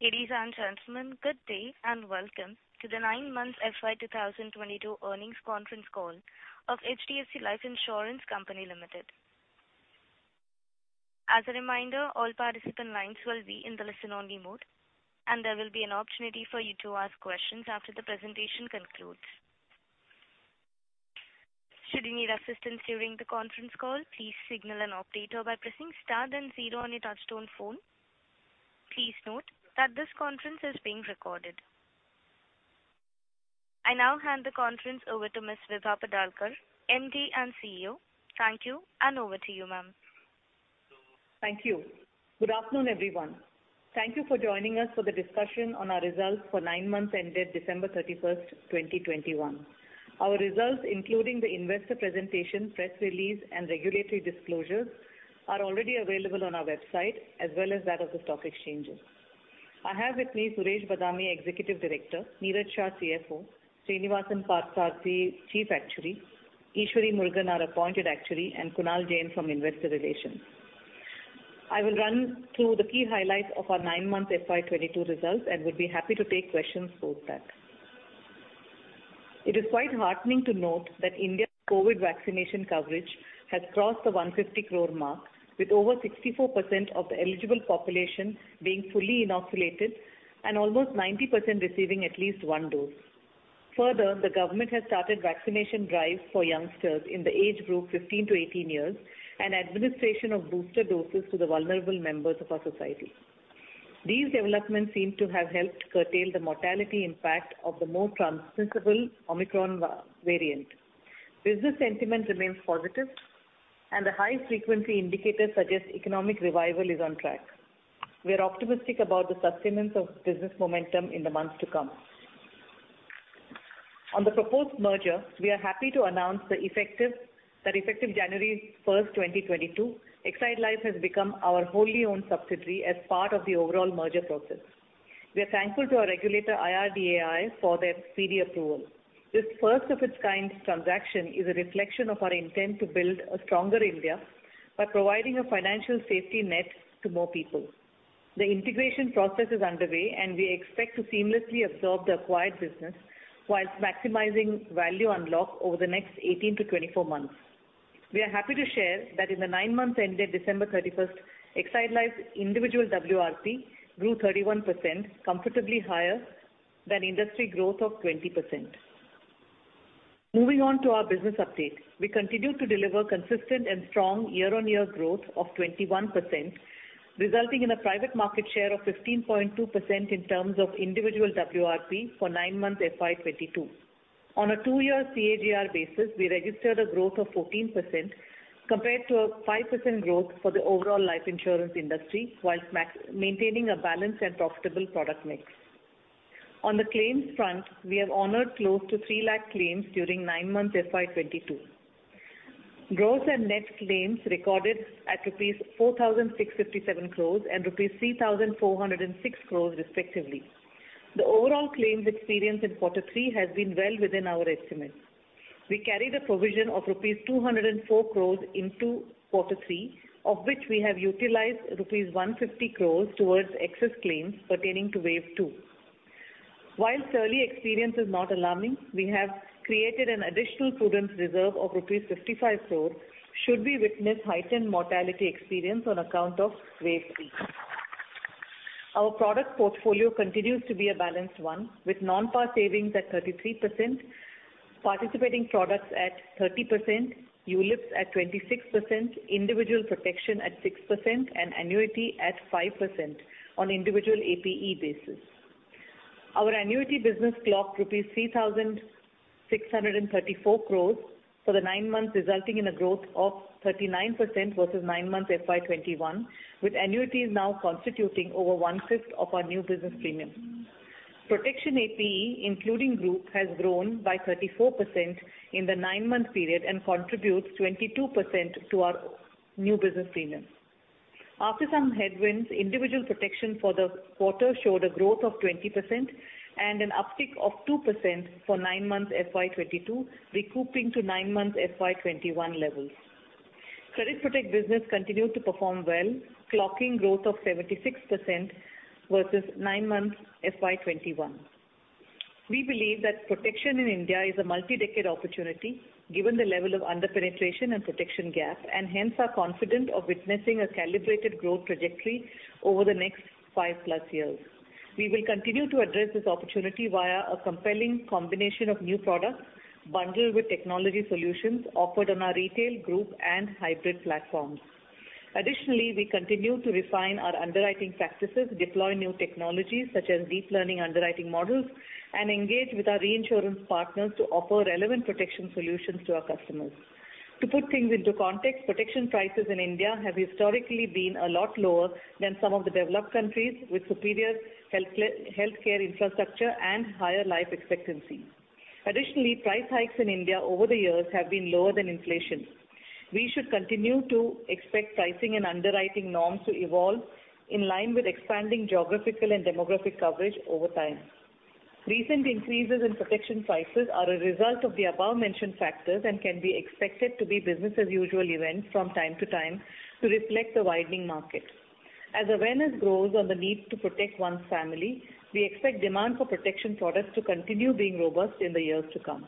Ladies and gentlemen, good day, and welcome to the nine months FY 2022 earnings conference call of HDFC Life Insurance Company Limited. As a reminder, all participant lines will be in the listen-only mode, and there will be an opportunity for you to ask questions after the presentation concludes. Should you need assistance during the conference call, please signal an operator by pressing star then zero on your touchtone phone. Please note that this conference is being recorded. I now hand the conference over to Ms. Vibha Padalkar, MD and CEO. Thank you, and over to you, ma'am. Thank you. Good afternoon, everyone. Thank you for joining us for the discussion on our results for nine months ended December 31, 2021. Our results, including the investor presentation, press release, and regulatory disclosures, are already available on our website as well as that of the stock exchanges. I have with me Suresh Badami, Executive Director, Niraj Shah, CFO, Srinivasan Parthasarathy, Chief Actuary, Eshwari Murugan, our Appointed Actuary, and Kunal Jain from Investor Relations. I will run through the key highlights of our 9-month FY 2022 results and would be happy to take questions post that. It is quite heartening to note that India's COVID vaccination coverage has crossed the 150 crore mark, with over 64% of the eligible population being fully inoculated and almost 90% receiving at least one dose. Further, the government has started vaccination drives for youngsters in the age group 15-18 years and administration of booster doses to the vulnerable members of our society. These developments seem to have helped curtail the mortality impact of the more transmissible Omicron variant. Business sentiment remains positive, and the high-frequency indicators suggest economic revival is on track. We are optimistic about the sustenance of business momentum in the months to come. On the proposed merger, we are happy to announce that effective January 1, 2022, Exide Life Insurance has become our wholly owned subsidiary as part of the overall merger process. We are thankful to our regulator, IRDAI, for their speedy approval. This first of its kind transaction is a reflection of our intent to build a stronger India by providing a financial safety net to more people. The integration process is underway, and we expect to seamlessly absorb the acquired business while maximizing value unlock over the next 18-24 months. We are happy to share that in the nine months ended December 31, Exide Life's individual WRP grew 31%, comfortably higher than industry growth of 20%. Moving on to our business update. We continue to deliver consistent and strong year-on-year growth of 21%, resulting in a private market share of 15.2% in terms of individual WRP for nine months FY 2022. On a two-year CAGR basis, we registered a growth of 14% compared to a 5% growth for the overall life insurance industry while maintaining a balanced and profitable product mix. On the claims front, we have honored close to 3 lakh claims during nine months FY 2022. Gross and net claims recorded at INR 4,657 crores and INR 3,406 crores, respectively. The overall claims experience in quarter three has been well within our estimates. We carried a provision of rupees 204 crores into quarter three, of which we have utilized rupees 150 crores towards excess claims pertaining to Wave Two. While mortality experience is not alarming, we have created an additional prudent reserve of rupees 55 crores should we witness heightened mortality experience on account of Wave Three. Our product portfolio continues to be a balanced one, with non-par savings at 33%, participating products at 30%, ULIPs at 26%, individual protection at 6%, and annuity at 5% on individual APE basis. Our annuity business clocked rupees 3,634 crores for the nine months, resulting in a growth of 39% versus nine months FY 2021, with annuities now constituting over one-fifth of our new business premiums. Protection APE, including group, has grown by 34% in the nine-month period and contributes 22% to our new business premiums. After some headwinds, individual protection for the quarter showed a growth of 20% and an uptick of 2% for nine months FY 2022, recouping to nine months FY 2021 levels. Credit Protect business continued to perform well, clocking growth of 76% versus nine months FY 2021. We believe that protection in India is a multi-decade opportunity given the level of under-penetration and protection gap, and hence are confident of witnessing a calibrated growth trajectory over the next 5+ years. We will continue to address this opportunity via a compelling combination of new products bundled with technology solutions offered on our retail, group, and hybrid platforms. Additionally, we continue to refine our underwriting practices, deploy new technologies such as deep learning underwriting models, and engage with our reinsurance partners to offer relevant protection solutions to our customers. To put things into context, protection prices in India have historically been a lot lower than some of the developed countries with superior healthcare infrastructure and higher life expectancy. Additionally, price hikes in India over the years have been lower than inflation. We should continue to expect pricing and underwriting norms to evolve in line with expanding geographical and demographic coverage over time. Recent increases in protection prices are a result of the above-mentioned factors and can be expected to be business as usual events from time to time to reflect the widening market. As awareness grows on the need to protect one's family, we expect demand for protection products to continue being robust in the years to come.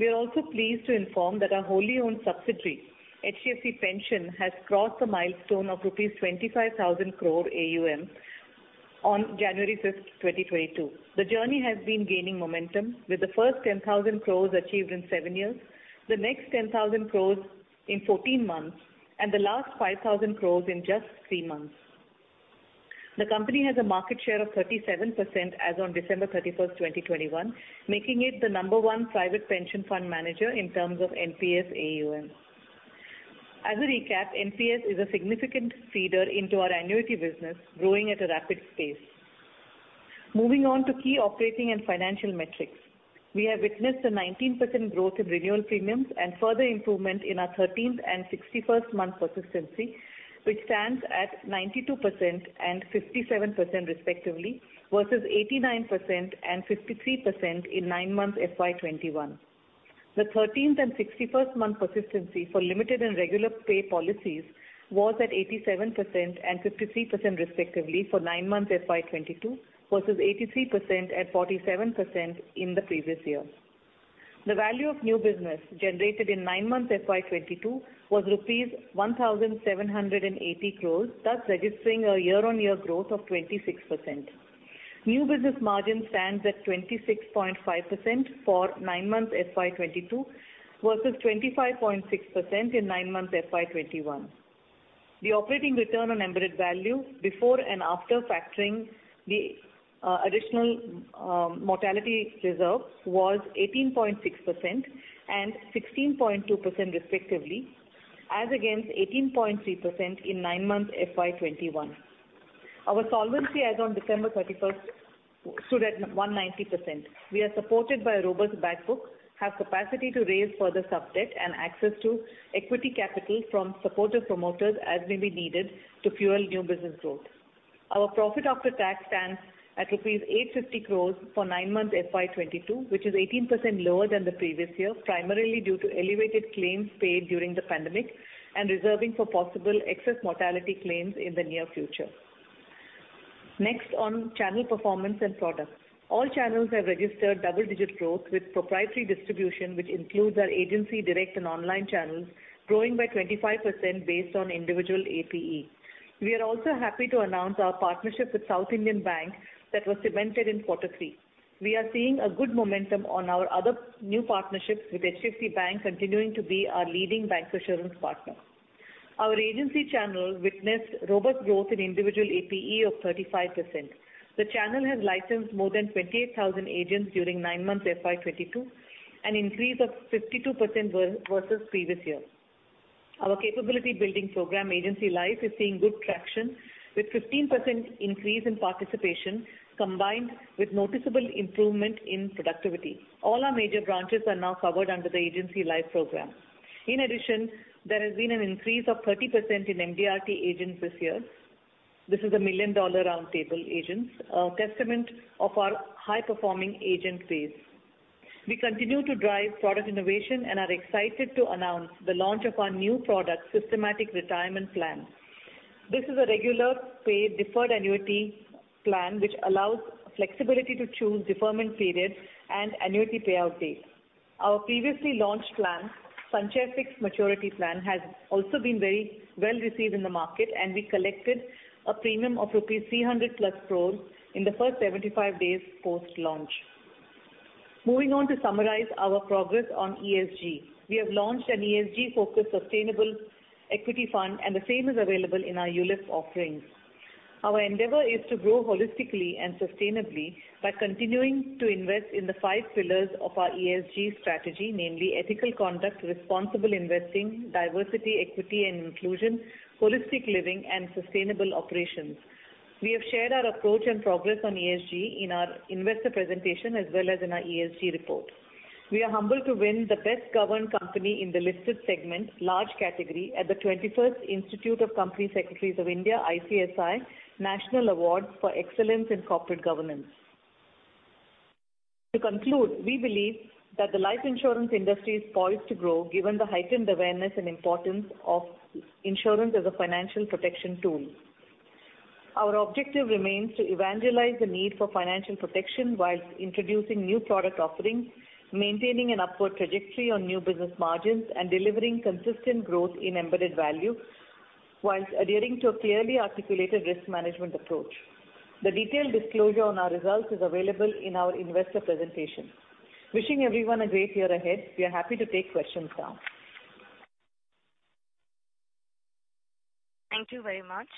We are also pleased to inform that our wholly owned subsidiary, HDFC Pension, has crossed the milestone of rupees 25,000 crore AUM on January 5, 2022. The journey has been gaining momentum with the first 10,000 crores achieved in seven years, the next 10,000 crores in 14 months and the last 5,000 crores in just three months. The company has a market share of 37% as on December 31, 2021, making it the number one private pension fund manager in terms of NPS AUM. As a recap, NPS is a significant feeder into our annuity business, growing at a rapid pace. Moving on to key operating and financial metrics. We have witnessed a 19% growth in renewal premiums and further improvement in our 13th and 61st month persistency, which stands at 92% and 57% respectively, versus 89% and 53% in nine months FY 2021. The 13th and 61st month persistency for limited and regular pay policies was at 87% and 53% respectively for nine months FY 2022 versus 83% and 47% in the previous year. The value of new business generated in nine months FY 2022 was rupees 1,780 crores, thus registering a year-on-year growth of 26%. New business margin stands at 26.5% for nine months FY 2022 versus 25.6% in nine months FY 2021. The operating return on embedded value before and after factoring the additional mortality reserve was 18.6% and 16.2% respectively, as against 18.3% in nine months FY 2021. Our solvency as on December 31 stood at 190%. We are supported by a robust back book, have capacity to raise further sub-debt and access to equity capital from supportive promoters as may be needed to fuel new business growth. Our profit after tax stands at rupees 850 crores for nine months FY 2022, which is 18% lower than the previous year, primarily due to elevated claims paid during the pandemic and reserving for possible excess mortality claims in the near future. Next on channel performance and products. All channels have registered double-digit growth with proprietary distribution, which includes our agency direct and online channels growing by 25% based on individual APE. We are also happy to announce our partnership with South Indian Bank that was cemented in quarter three. We are seeing a good momentum on our other new partnerships, with HDFC Bank continuing to be our leading bancassurance partner. Our agency channel witnessed robust growth in individual APE of 35%. The channel has licensed more than 28,000 agents during nine months FY 2022, an increase of 52% versus previous year. Our capability building program, Agency Life, is seeing good traction with 15% increase in participation combined with noticeable improvement in productivity. All our major branches are now covered under the Agency Life program. In addition, there has been an increase of 30% in MDRT agents this year. This is a Million Dollar Round Table agents, a testament of our high-performing agent base. We continue to drive product innovation and are excited to announce the launch of our new product, Systematic Retirement Plan. This is a regular paid deferred annuity plan which allows flexibility to choose deferment periods and annuity payout dates. Our previously launched plan, Sanchay Fixed Maturity Plan, has also been very well received in the market, and we collected a premium of INR 300+ crore in the first 75 days post-launch. Moving on to summarize our progress on ESG. We have launched an ESG-focused sustainable equity fund and the same is available in our ULIP offerings. Our endeavor is to grow holistically and sustainably by continuing to invest in the five pillars of our ESG strategy, namely ethical conduct, responsible investing, diversity, equity and inclusion, holistic living and sustainable operations. We have shared our approach and progress on ESG in our investor presentation as well as in our ESG report. We are humbled to win the Best Governed Company in the Listed Segment Large category at the twenty-first Institute of Company Secretaries of India, ICSI, National Awards for Excellence in Corporate Governance. To conclude, we believe that the life insurance industry is poised to grow given the heightened awareness and importance of insurance as a financial protection tool. Our objective remains to evangelize the need for financial protection while introducing new product offerings, maintaining an upward trajectory on new business margins, and delivering consistent growth in embedded value while adhering to a clearly articulated risk management approach. The detailed disclosure on our results is available in our investor presentation. Wishing everyone a great year ahead. We are happy to take questions now. Thank you very much.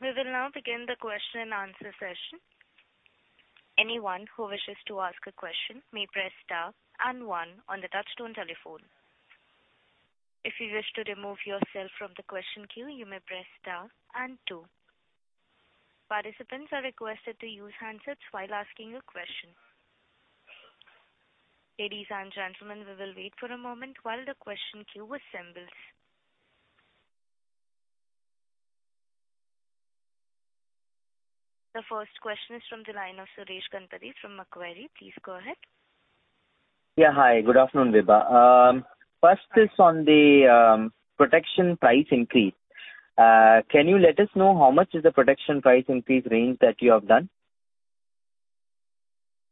We will now begin the question and answer session. Anyone who wishes to ask a question may press star and one on the touchtone telephone. If you wish to remove yourself from the question queue, you may press star and two. Participants are requested to use handsets while asking a question. Ladies and gentlemen, we will wait for a moment while the question queue assembles. The first question is from the line of Suresh Ganapathy from Macquarie. Please go ahead. Yeah. Hi. Good afternoon, Vibha. First is on the protection price increase. Can you let us know how much is the protection price increase range that you have done?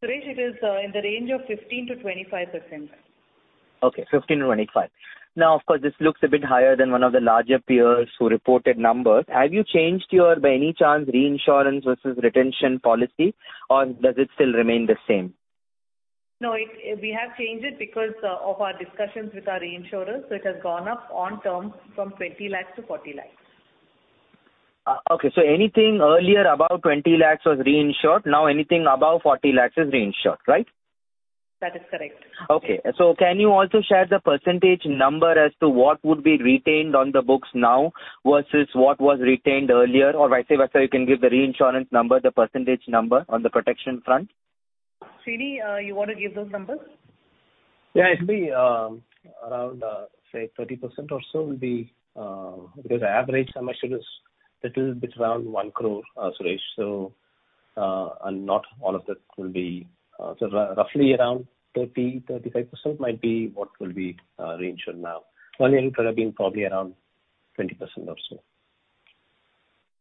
Suresh, it is in the range of 15%-25%. Okay. 15%-25%. Now, of course, this looks a bit higher than one of the larger peers who reported numbers. Have you changed your, by any chance, reinsurance versus retention policy or does it still remain the same? No, we have changed it because of our discussions with our reinsurers, so it has gone up in terms from 20 lakhs to 40 lakhs. Anything earlier above 20 lakhs was reinsured, now anything above 40 lakhs is reinsured, right? That is correct. Okay. Can you also share the percentage number as to what would be retained on the books now versus what was retained earlier? Or vice versa, you can give the reinsurance number, the percentage number on the protection front. Srini, you want to give those numbers? Yeah. It'll be around, say 30% or so will be because the average sum assured is little bit around 1 crore, Suresh. So, and not all of that will be, so roughly around 30%-35% might be what will be reinsured now. Earlier it would have been probably around 20% or so.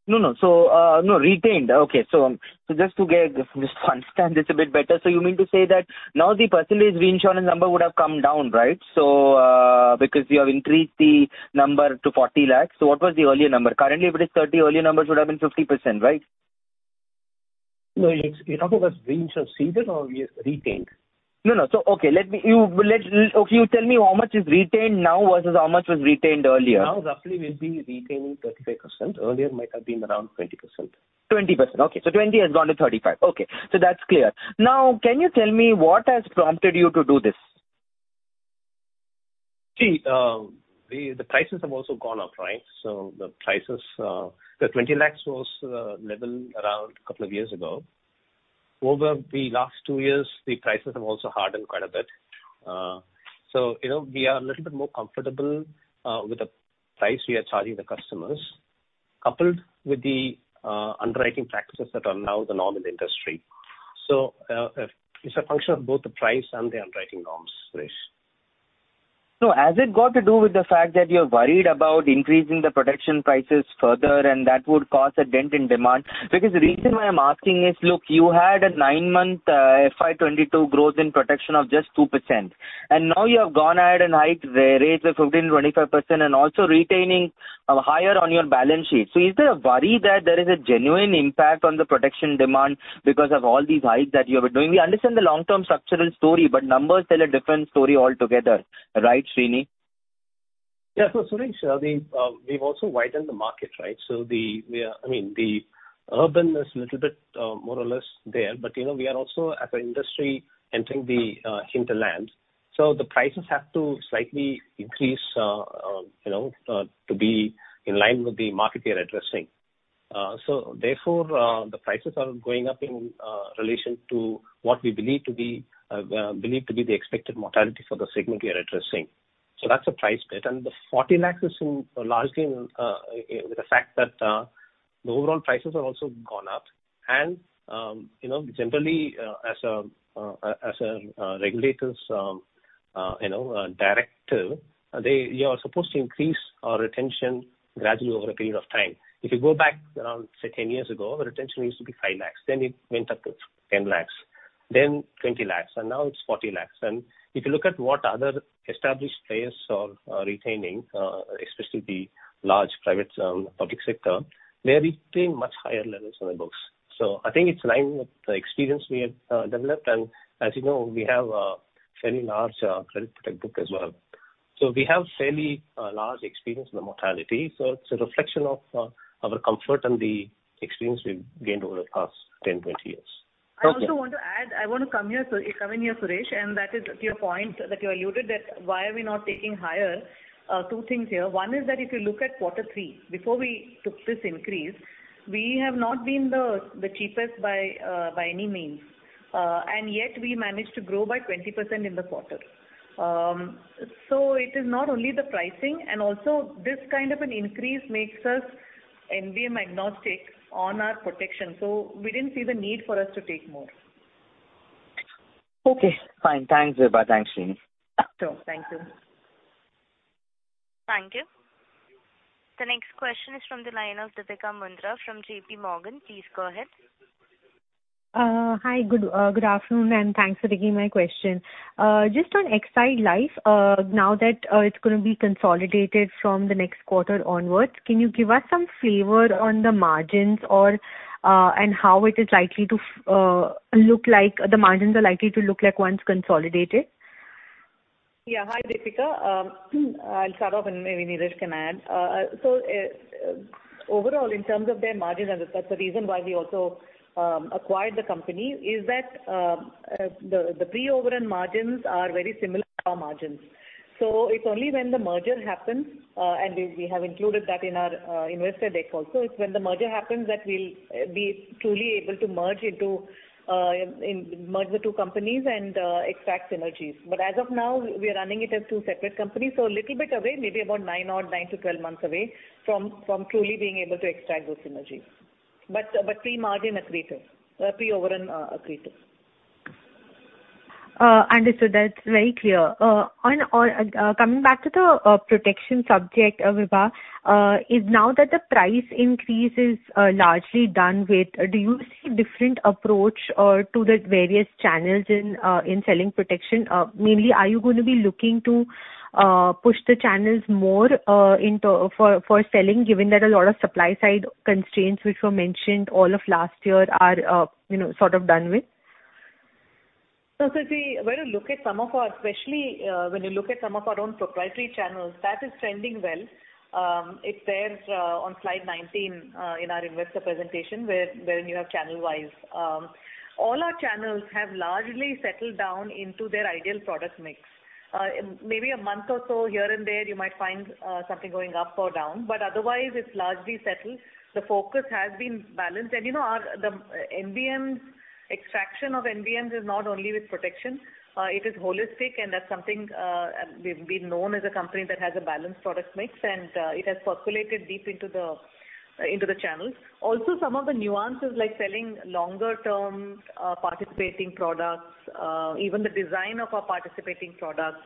No, no. No, retained. Okay. Just understand this a bit better. You mean to say that now the percentage reinsurance number would have come down, right? Because you have increased the number to 40 lakhs. What was the earlier number? Currently if it is 30, earlier number should have been 50%, right? No, it's you're talking about reinsurance ceded or we have retained? No. Okay, you tell me how much is retained now versus how much was retained earlier. Now roughly we'll be retaining 35%. Earlier it might have been around 20%. 20%. Okay. 20% has gone to 35%. Okay. That's clear. Now, can you tell me what has prompted you to do this? See, the prices have also gone up, right? The prices, the 20 lakhs was level around a couple of years ago. Over the last two years, the prices have also hardened quite a bit. You know, we are a little bit more comfortable with the price we are charging the customers, coupled with the underwriting practices that are now the norm in the industry. It's a function of both the price and the underwriting norms, Suresh. Has it got to do with the fact that you're worried about increasing the protection prices further and that would cause a dent in demand? Because the reason why I'm asking is, look, you had a nine-month FY 2022 growth in protection of just 2%, and now you have gone ahead and hiked the rates of 15% to 25% and also retaining higher on your balance sheet. Is there a worry that there is a genuine impact on the protection demand because of all these hikes that you have been doing? We understand the long-term structural story, but numbers tell a different story altogether, right, Srini? Yeah. Suresh, we've also widened the market, right? I mean, the urban is little bit more or less there, but you know, we are also as an industry entering the hinterlands, so the prices have to slightly increase, you know, to be in line with the market we are addressing. Therefore, the prices are going up in relation to what we believe to be the expected mortality for the segment we are addressing. That's the price bit. The 40 lakhs is largely in line with the fact that the overall prices have also gone up and, you know, generally, as a regulator's directive, you are supposed to increase our retention gradually over a period of time. If you go back around, say, 10 years ago, our retention used to be 5 lakhs, then it went up to 10 lakhs, then 20 lakhs, and now it's 40 lakhs. If you look at what other established players are retaining, especially the large privates, public sector, they are retaining much higher levels on their books. I think it's in line with the experience we have developed. As you know, we have a fairly large Credit Protect book as well. We have fairly large experience in the mortality. It's a reflection of our comfort and the experience we've gained over the past 10, 20 years. I also want to add, I want to come here, come in here, Suresh, and that is to your point that you alluded that why we are not taking higher. Two things here. One is that if you look at quarter three, before we took this increase, we have not been the cheapest by any means, and yet we managed to grow by 20% in the quarter. So it is not only the pricing and also this kind of an increase makes us NBM agnostic on our protection. So we didn't see the need for us to take more. Okay. Fine. Thanks, Vibha. Thanks, Srini. Sure. Thank you. Thank you. The next question is from the line of Deepika Mundra from JP Morgan. Please go ahead. Hi. Good afternoon, and thanks for taking my question. Just on Exide Life, now that it's gonna be consolidated from the next quarter onwards, can you give us some flavor on the margins or and how it is likely to look like, the margins are likely to look like once consolidated? Yeah. Hi, Deepika. I'll start off and maybe Niraj can add. Overall, in terms of their margins, and that's the reason why we also acquired the company, is that the pre-overhead margins are very similar to our margins. It's only when the merger happens and we have included that in our investor deck also. It's when the merger happens that we'll be truly able to merge the two companies and extract synergies. As of now we're running it as two separate companies, a little bit away, maybe about 9-12 months away from truly being able to extract those synergies. Pre-overhead margin accretive, pre-overhead accretive. Understood. That's very clear. Coming back to the protection subject, Vibha, now that the price increase is largely done with, do you see a different approach to the various channels in selling protection? Mainly, are you gonna be looking to push the channels more in terms of selling, given that a lot of supply side constraints which were mentioned all of last year are, you know, sort of done with? Supri, especially when you look at some of our own proprietary channels, that is trending well. It's there on slide 19 in our investor presentation where, wherein you have channel wise. All our channels have largely settled down into their ideal product mix. Maybe a month or so here and there, you might find something going up or down, but otherwise it's largely settled. The focus has been balanced. You know, the NBMs, extraction of NBMs is not only with protection, it is holistic, and that's something we've been known as a company that has a balanced product mix, and it has percolated deep into the channels. Also some of the nuances like selling longer-term, participating products, even the design of our participating products,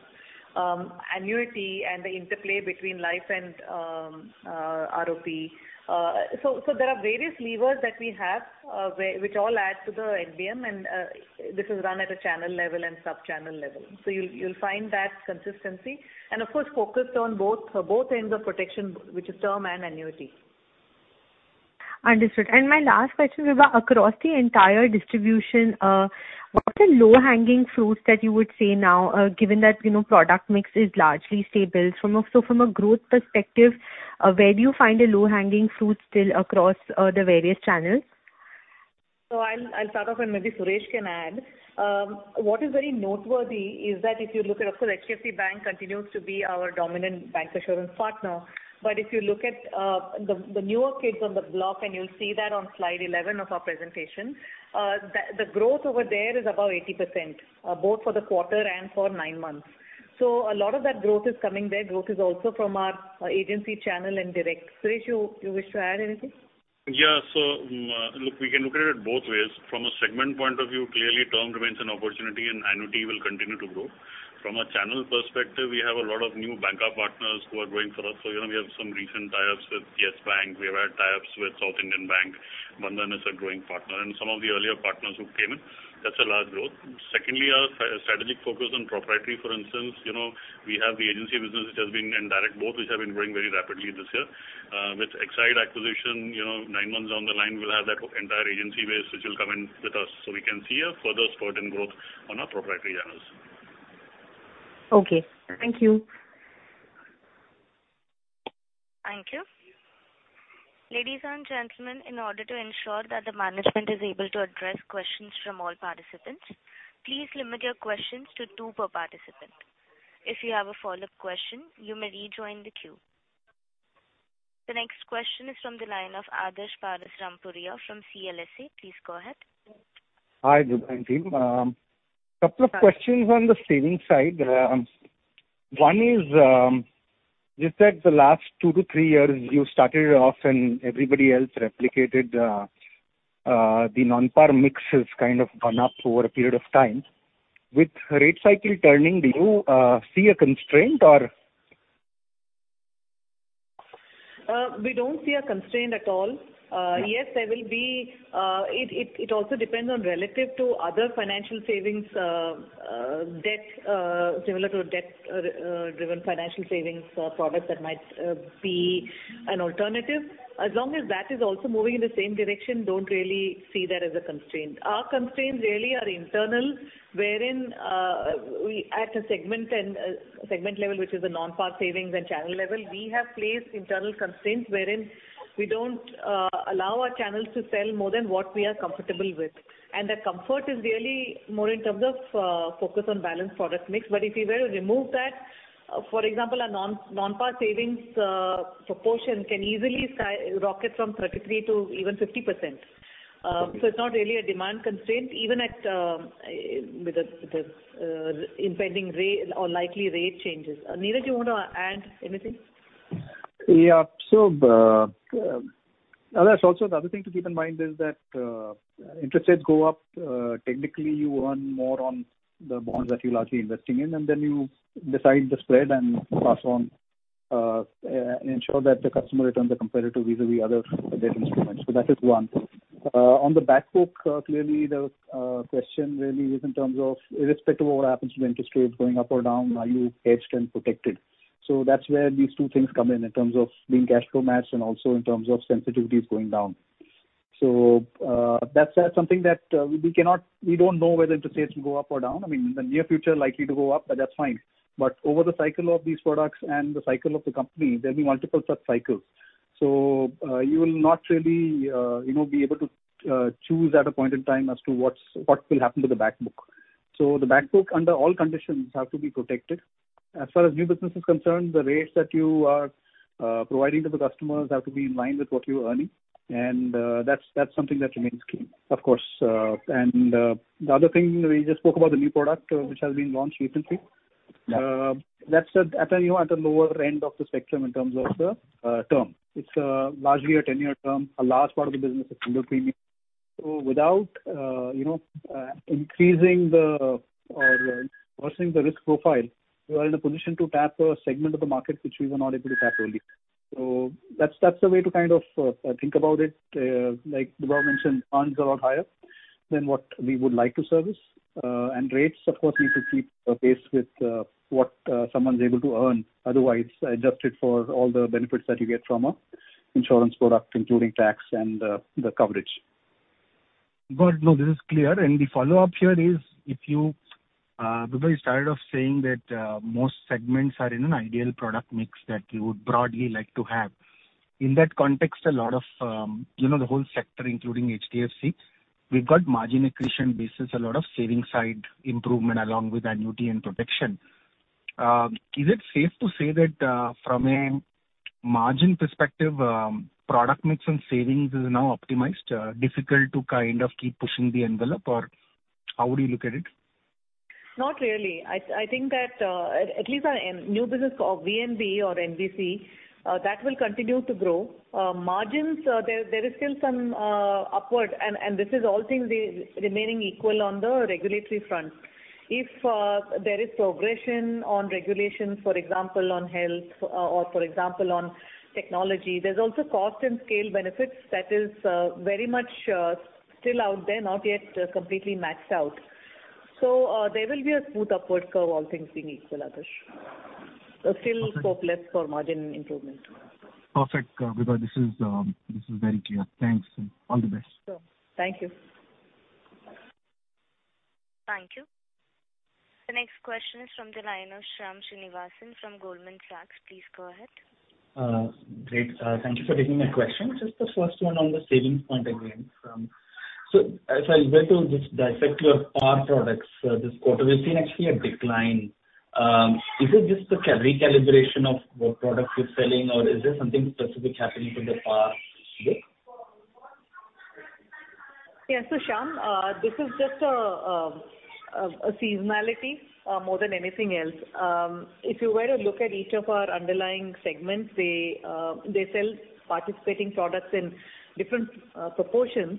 annuity and the interplay between life and ROP. So there are various levers that we have, which all add to the NBM and this is run at a channel level and sub-channel level. You'll find that consistency and of course focused on both ends of protection which is term and annuity. Understood. My last question, Vibha, across the entire distribution, what are low-hanging fruits that you would say now, given that, you know, product mix is largely stable. So from a growth perspective, where do you find a low-hanging fruit still across the various channels? I'll start off and maybe Suresh can add. What is very noteworthy is that if you look at, of course HDFC Bank continues to be our dominant bancassurance partner. But if you look at the newer kids on the block, and you'll see that on slide 11 of our presentation, the growth over there is above 80%, both for the quarter and for nine months. A lot of that growth is coming there. Growth is also from our agency channel and direct. Suresh, you wish to add anything? Yeah. Look, we can look at it both ways. From a segment point of view, clearly term remains an opportunity and annuity will continue to grow. From a channel perspective, we have a lot of new banker partners who are growing for us. You know we have some recent tie-ups with YES Bank, we have had tie-ups with South Indian Bank. Bandhan Bank is a growing partner and some of the earlier partners who came in, that's a large growth. Secondly, our strategic focus on proprietary for instance, you know, we have the agency business which has been, and direct both which have been growing very rapidly this year. With Exide Life acquisition, you know, nine months down the line we'll have that entire agency base which will come in with us. We can see a further spurt in growth on our proprietary channels. Okay. Thank you. Thank you. Ladies and gentlemen, in order to ensure that the management is able to address questions from all participants, please limit your questions to two per participant. If you have a follow-up question, you may rejoin the queue. The next question is from the line of Adarsh Parasrampuria from CLSA. Please go ahead. Hi, good morning team. Couple of questions on the savings side. One is, you said the last two to three years you started off and everybody else replicated, the non-par mixes kind of gone up over a period of time. With rate cycle turning, do you see a constraint or? We don't see a constraint at all. Yes, there will be, it also depends on relative to other financial savings, debt, similar to debt, driven financial savings, product that might be an alternative. As long as that is also moving in the same direction, don't really see that as a constraint. Our constraints really are internal wherein we, at a segment and segment level, which is a non-par savings and channel level, we have placed internal constraints wherein we don't allow our channels to sell more than what we are comfortable with. That comfort is really more in terms of focus on balanced product mix. If you were to remove that, for example, a non-par savings proportion can easily skyrocket from 33% to even 50%. It's not really a demand constraint even with the impending rate or likely rate changes. Niraj, you want to add anything? Yeah. Adarsh also the other thing to keep in mind is that, interest rates go up, technically you earn more on the bonds that you're largely investing in, and then you decide the spread and pass on, ensure that the customer returns are competitive vis-a-vis other debt instruments. That is one. On the back book, clearly the question really is in terms of irrespective of what happens to interest rates going up or down, are you hedged and protected? That's where these two things come in terms of being cash flow matched and also in terms of sensitivities going down. That's something that we don't know whether interest rates will go up or down. I mean, in the near future likely to go up, but that's fine. Over the cycle of these products and the cycle of the company, there'll be multiple such cycles. You will not really, you know, be able to choose at a point in time as to what's what will happen to the back book. The back book under all conditions have to be protected. As far as new business is concerned, the rates that you are providing to the customers have to be in line with what you're earning. That's something that remains key. Of course. The other thing we just spoke about the new product, which has been launched recently. That's at a, you know, at a lower end of the spectrum in terms of the term. It's largely a 10-year term. A large part of the business is single premium. Without increasing or worsening the risk profile, we are in a position to tap a segment of the market which we were not able to tap earlier. That's the way to kind of think about it. Like Vibha mentioned, earnings are a lot higher than what we would like to service. And rates, of course, need to keep pace with what someone's able to earn. Otherwise, adjusted for all the benefits that you get from an insurance product, including tax and the coverage. Got it. No, this is clear. The follow-up here is if you, Vibha, you started off saying that most segments are in an ideal product mix that you would broadly like to have. In that context, a lot of, you know, the whole sector, including HDFC, we've got margin accretion basis, a lot of saving side improvement along with annuity and protection. Is it safe to say that from a margin perspective, product mix and savings is now optimized, difficult to kind of keep pushing the envelope? Or how would you look at it? Not really. I think that at least our new business of VNB or NBC that will continue to grow. Margins, there is still some upward, and this is all things remaining equal on the regulatory front. If there is progression on regulation, for example, on health or for example on technology, there's also cost and scale benefits that is very much still out there, not yet completely maxed out. There will be a smooth upward curve, all things being equal, Adarsh. Okay. There's still scope left for margin improvement. Perfect, Vibha. This is very clear. Thanks, and all the best. Sure. Thank you. Thank you. The next question is from the line of Shyam Srinivasan from Goldman Sachs. Please go ahead. Great. Thank you for taking my question. Just the first one on the savings point again. So if I were to dissect your PAR products, this quarter, we've seen actually a decline. Is it just a recalibration of what products you're selling or is there something specific happening to the PAR book? Yeah. Shyam, this is just a seasonality, more than anything else. If you were to look at each of our underlying segments, they sell participating products in different proportions.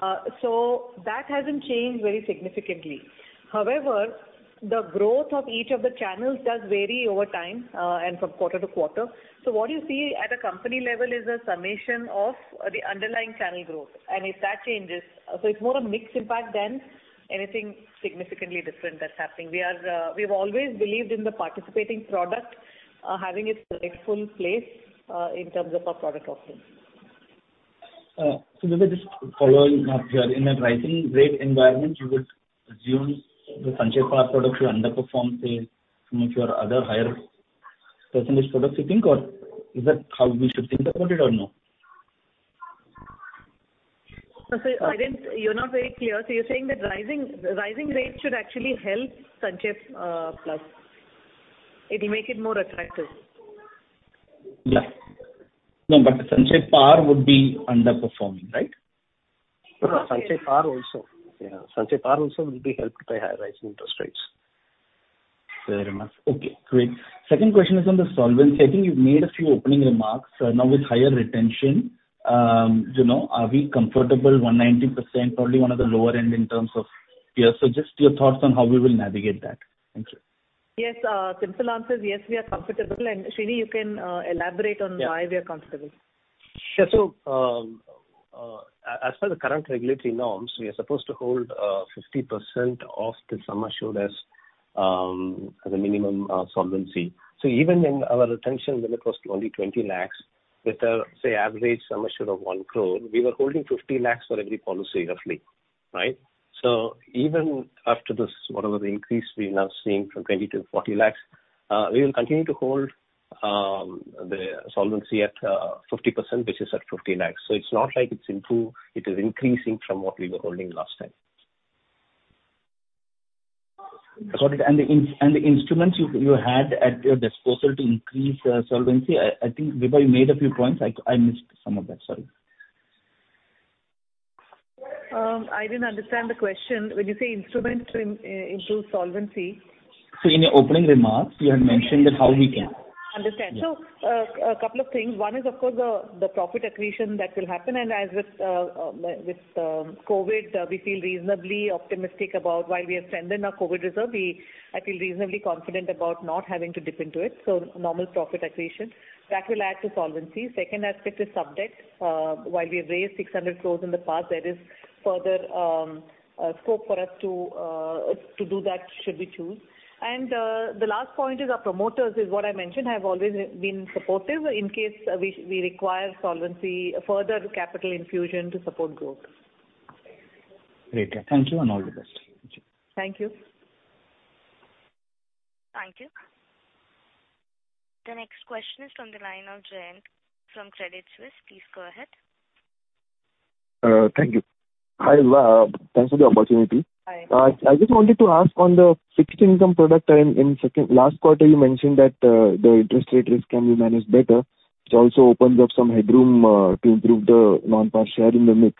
That hasn't changed very significantly. However, the growth of each of the channels does vary over time, and from quarter to quarter. What you see at a company level is a summation of the underlying channel growth, and if that changes. It's more a mix impact than anything significantly different that's happening. We've always believed in the participating product, having its rightful place, in terms of our product offering. Vibha, just following up here. In a rising rate environment, you would assume the Sanchay PAR products will underperform, say, some of your other higher percentage products, you think? Or is that how we should think about it or no? You're not very clear. You're saying that rising rates should actually help Sanchay Plus? It'll make it more attractive. Yeah. No, but Sanchay Par would be underperforming, right? No, Sanchay Par also. Yeah, Sanchay Par also will be helped by higher rising interest rates. Fair enough. Okay, great. Second question is on the solvency. I think you've made a few opening remarks. Now with higher retention, are we comfortable 190%, probably one of the lower end in terms of peers? Just your thoughts on how we will navigate that. Thanks. Yes. Simple answer is, yes, we are comfortable. Srini, you can elaborate on- Yeah. Why we are comfortable. Yeah. As per the current regulatory norms, we are supposed to hold 50% of the sum assured as a minimum solvency. Even when our retention limit was only 20 lakhs with a, say, average sum assured of 1 crore, we were holding 50 lakhs for every policy roughly, right? Even after this, whatever the increase we're now seeing from 20 lakhs to 40 lakhs, we will continue to hold the solvency at 50%, which is at 50 lakhs. It's not like it's improved. It is increasing from what we were holding last time. Got it. The instruments you had at your disposal to increase solvency, I think, Vibha, you made a few points. I missed some of that, sorry. I didn't understand the question. When you say instruments to improve solvency. In your opening remarks you had mentioned that how we can. Understand. Yeah. A couple of things. One is, of course, the profit accretion that will happen. As with COVID, we feel reasonably optimistic about, while we have strengthened our COVID reserve, I feel reasonably confident about not having to dip into it, so normal profit accretion. That will add to solvency. Second aspect is sub debt. While we have raised 600 crore in the past, there is further scope for us to do that should we choose. The last point is our promoters, as I mentioned, have always been supportive in case we require solvency, further capital infusion to support growth. Great. Thank you and all the best. Thank you. Thank you. The next question is from the line of Jayanth from Credit Suisse. Please go ahead. Thank you. Hi, thanks for the opportunity. Hi. I just wanted to ask on the fixed income product. In second last quarter, you mentioned that the interest rate risk can be managed better. It also opens up some headroom to improve the non-PAR share in the mix.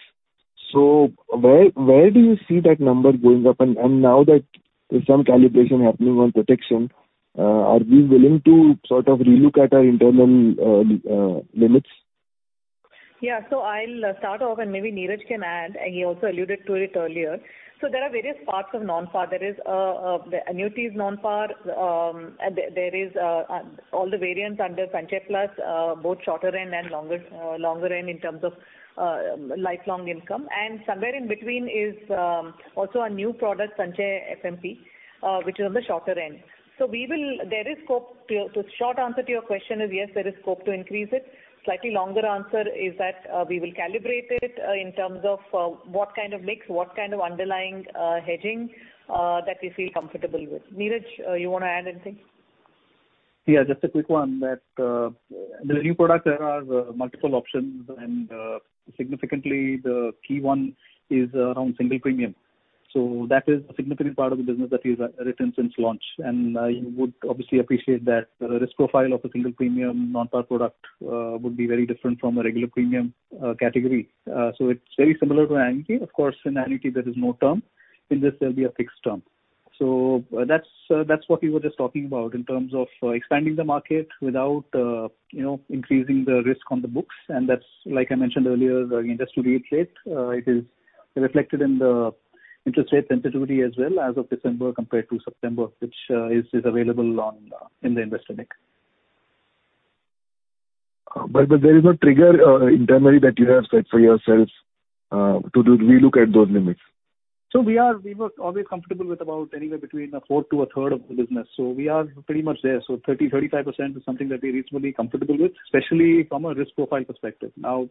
Where do you see that number going up? Now that there's some calibration happening on protection, are we willing to sort of relook at our internal limits? Yeah. I'll start off and maybe Niraj can add, and he also alluded to it earlier. There are various parts of non-par. There is the annuities non-par, and there is all the variants under Sanchay Plus, both shorter end and longer end in terms of lifelong income. And somewhere in between is also a new product, Sanchay FMP, which is on the shorter end. There is scope to increase it. The short answer to your question is yes, there is scope to increase it. Slightly longer answer is that we will calibrate it in terms of what kind of mix, what kind of underlying hedging that we feel comfortable with. Niraj, you wanna add anything? Yeah, just a quick one that, the new product there are multiple options and, significantly the key one is around single premium. That is a significant part of the business that is written since launch. You would obviously appreciate that the risk profile of a single premium non-par product would be very different from a regular premium category. It's very similar to annuity. Of course, in annuity there is no term. In this there'll be a fixed term. That's what we were just talking about in terms of expanding the market without, you know, increasing the risk on the books. That's like I mentioned earlier, the interest rate, it is reflected in the interest rate sensitivity as well as of December compared to September, which is available in the investor deck. There is no trigger internally that you have set for yourselves to relook at those limits. We were always comfortable with about anywhere between a fourth to a third of the business, so we are pretty much there. 35% is something that we're reasonably comfortable with, especially from a risk profile perspective. Now,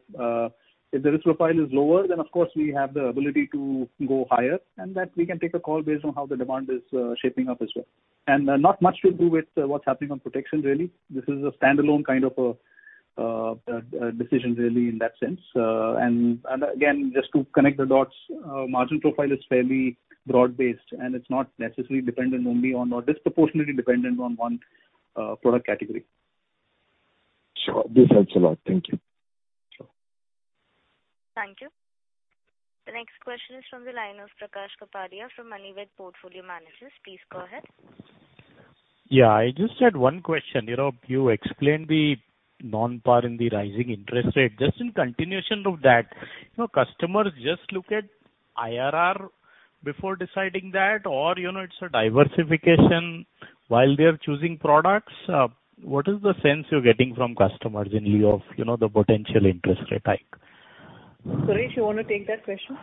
if the risk profile is lower, then of course we have the ability to go higher and that we can take a call based on how the demand is shaping up as well. Not much to do with what's happening on protection really. This is a standalone kind of a decision really in that sense. And again, just to connect the dots, margin profile is fairly broad-based, and it's not necessarily dependent only on or disproportionately dependent on one product category. Sure. This helps a lot. Thank you. Sure. Thank you. The next question is from the line of Prakash Kapadia from Anived Portfolio Managers. Please go ahead. Yeah. I just had one question. You know, you explained the non-par in the rising interest rate. Just in continuation of that, you know, customers just look at IRR before deciding that or, you know, it's a diversification while they are choosing products. What is the sense you're getting from customers in lieu of, you know, the potential interest rate hike? Suresh, you wanna take that question?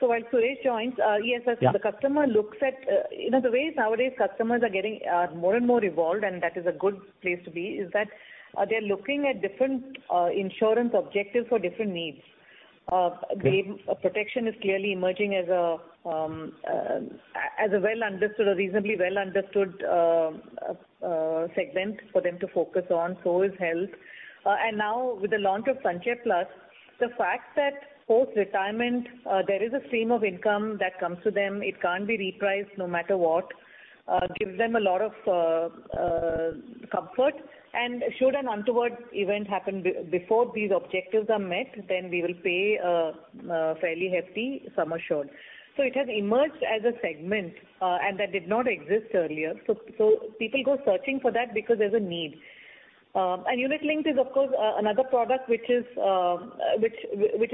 While Suresh joins, yes, the customer looks at, you know, the way nowadays customers are getting more and more evolved, and that is a good place to be, is that, they're looking at different insurance objectives for different needs. Okay. Protection is clearly emerging as a well-understood or reasonably well-understood segment for them to focus on, so is health. Now with the launch of Sanchay Plus, the fact that post-retirement there is a stream of income that comes to them, it can't be repriced no matter what gives them a lot of comfort and should an untoward event happen before these objectives are met, then we will pay a fairly hefty sum assured. It has emerged as a segment that did not exist earlier. People go searching for that because there's a need. Unit linked is of course another product which is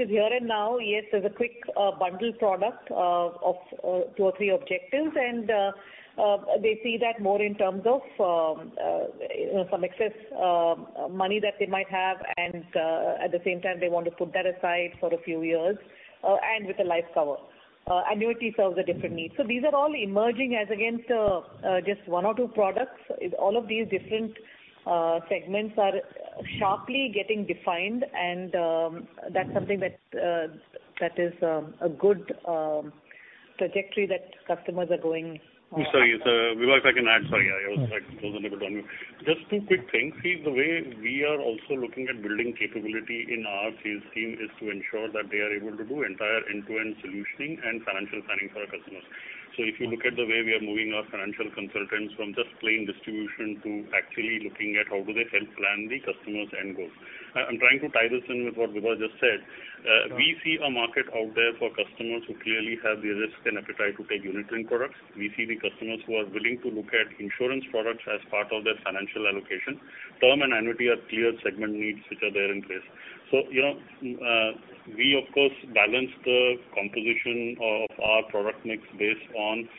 here and now. Yes, there's a quick bundle product of two or three objectives and they see that more in terms of you know, some excess money that they might have and at the same time they want to put that aside for a few years and with a life cover. Annuity serves a different need. These are all emerging as against just one or two products. All of these different segments are sharply getting defined and that's something that is a good trajectory that customers are going on. Just two quick things. The way we are also looking at building capability in our sales team is to ensure that they are able to do entire end-to-end solutioning and financial planning for our customers. If you look at the way we are moving our financial consultants from just plain distribution to actually looking at how do they help plan the customer's end goals. I'm trying to tie this in with what Vibha just said. We see a market out there for customers who clearly have the risk and appetite to take unit-linked products. We see the customers who are willing to look at insurance products as part of their financial allocation. Term and annuity are clear segment needs which are there in place. You know, we of course balance the composition of our product mix based on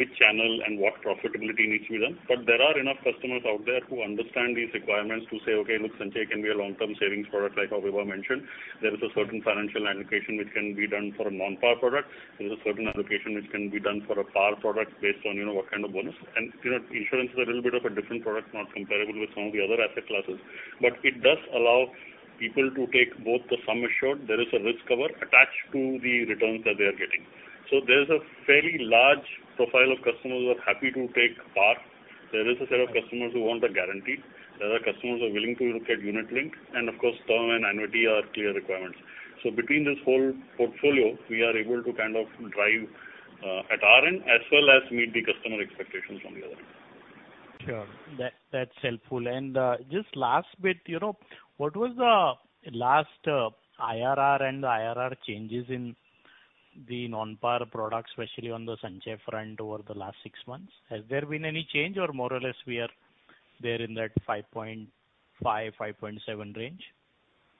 which channel and what profitability needs to be done. There are enough customers out there who understand these requirements to say, "Okay, look, Sanchay can be a long-term savings product," like how Vibha mentioned. There is a certain financial allocation which can be done for a non-par product. There's a certain allocation which can be done for a par product based on, you know, what kind of bonus. You know, insurance is a little bit of a different product, not comparable with some of the other asset classes, but it does allow people to take both the sum assured. There is a risk cover attached to the returns that they are getting. There's a fairly large profile of customers who are happy to take par. There is a set of customers who want the guarantee. There are customers who are willing to look at unit linked and of course term and annuity are clear requirements. Between this whole portfolio we are able to kind of drive, at our end as well as meet the customer expectations on the other end. Sure. That's helpful. Just last bit, you know, what was the last IRR changes in the non-par products, especially on the Sanchay front over the last six months? Has there been any change or more or less we are there in that 5.5-5.7 range?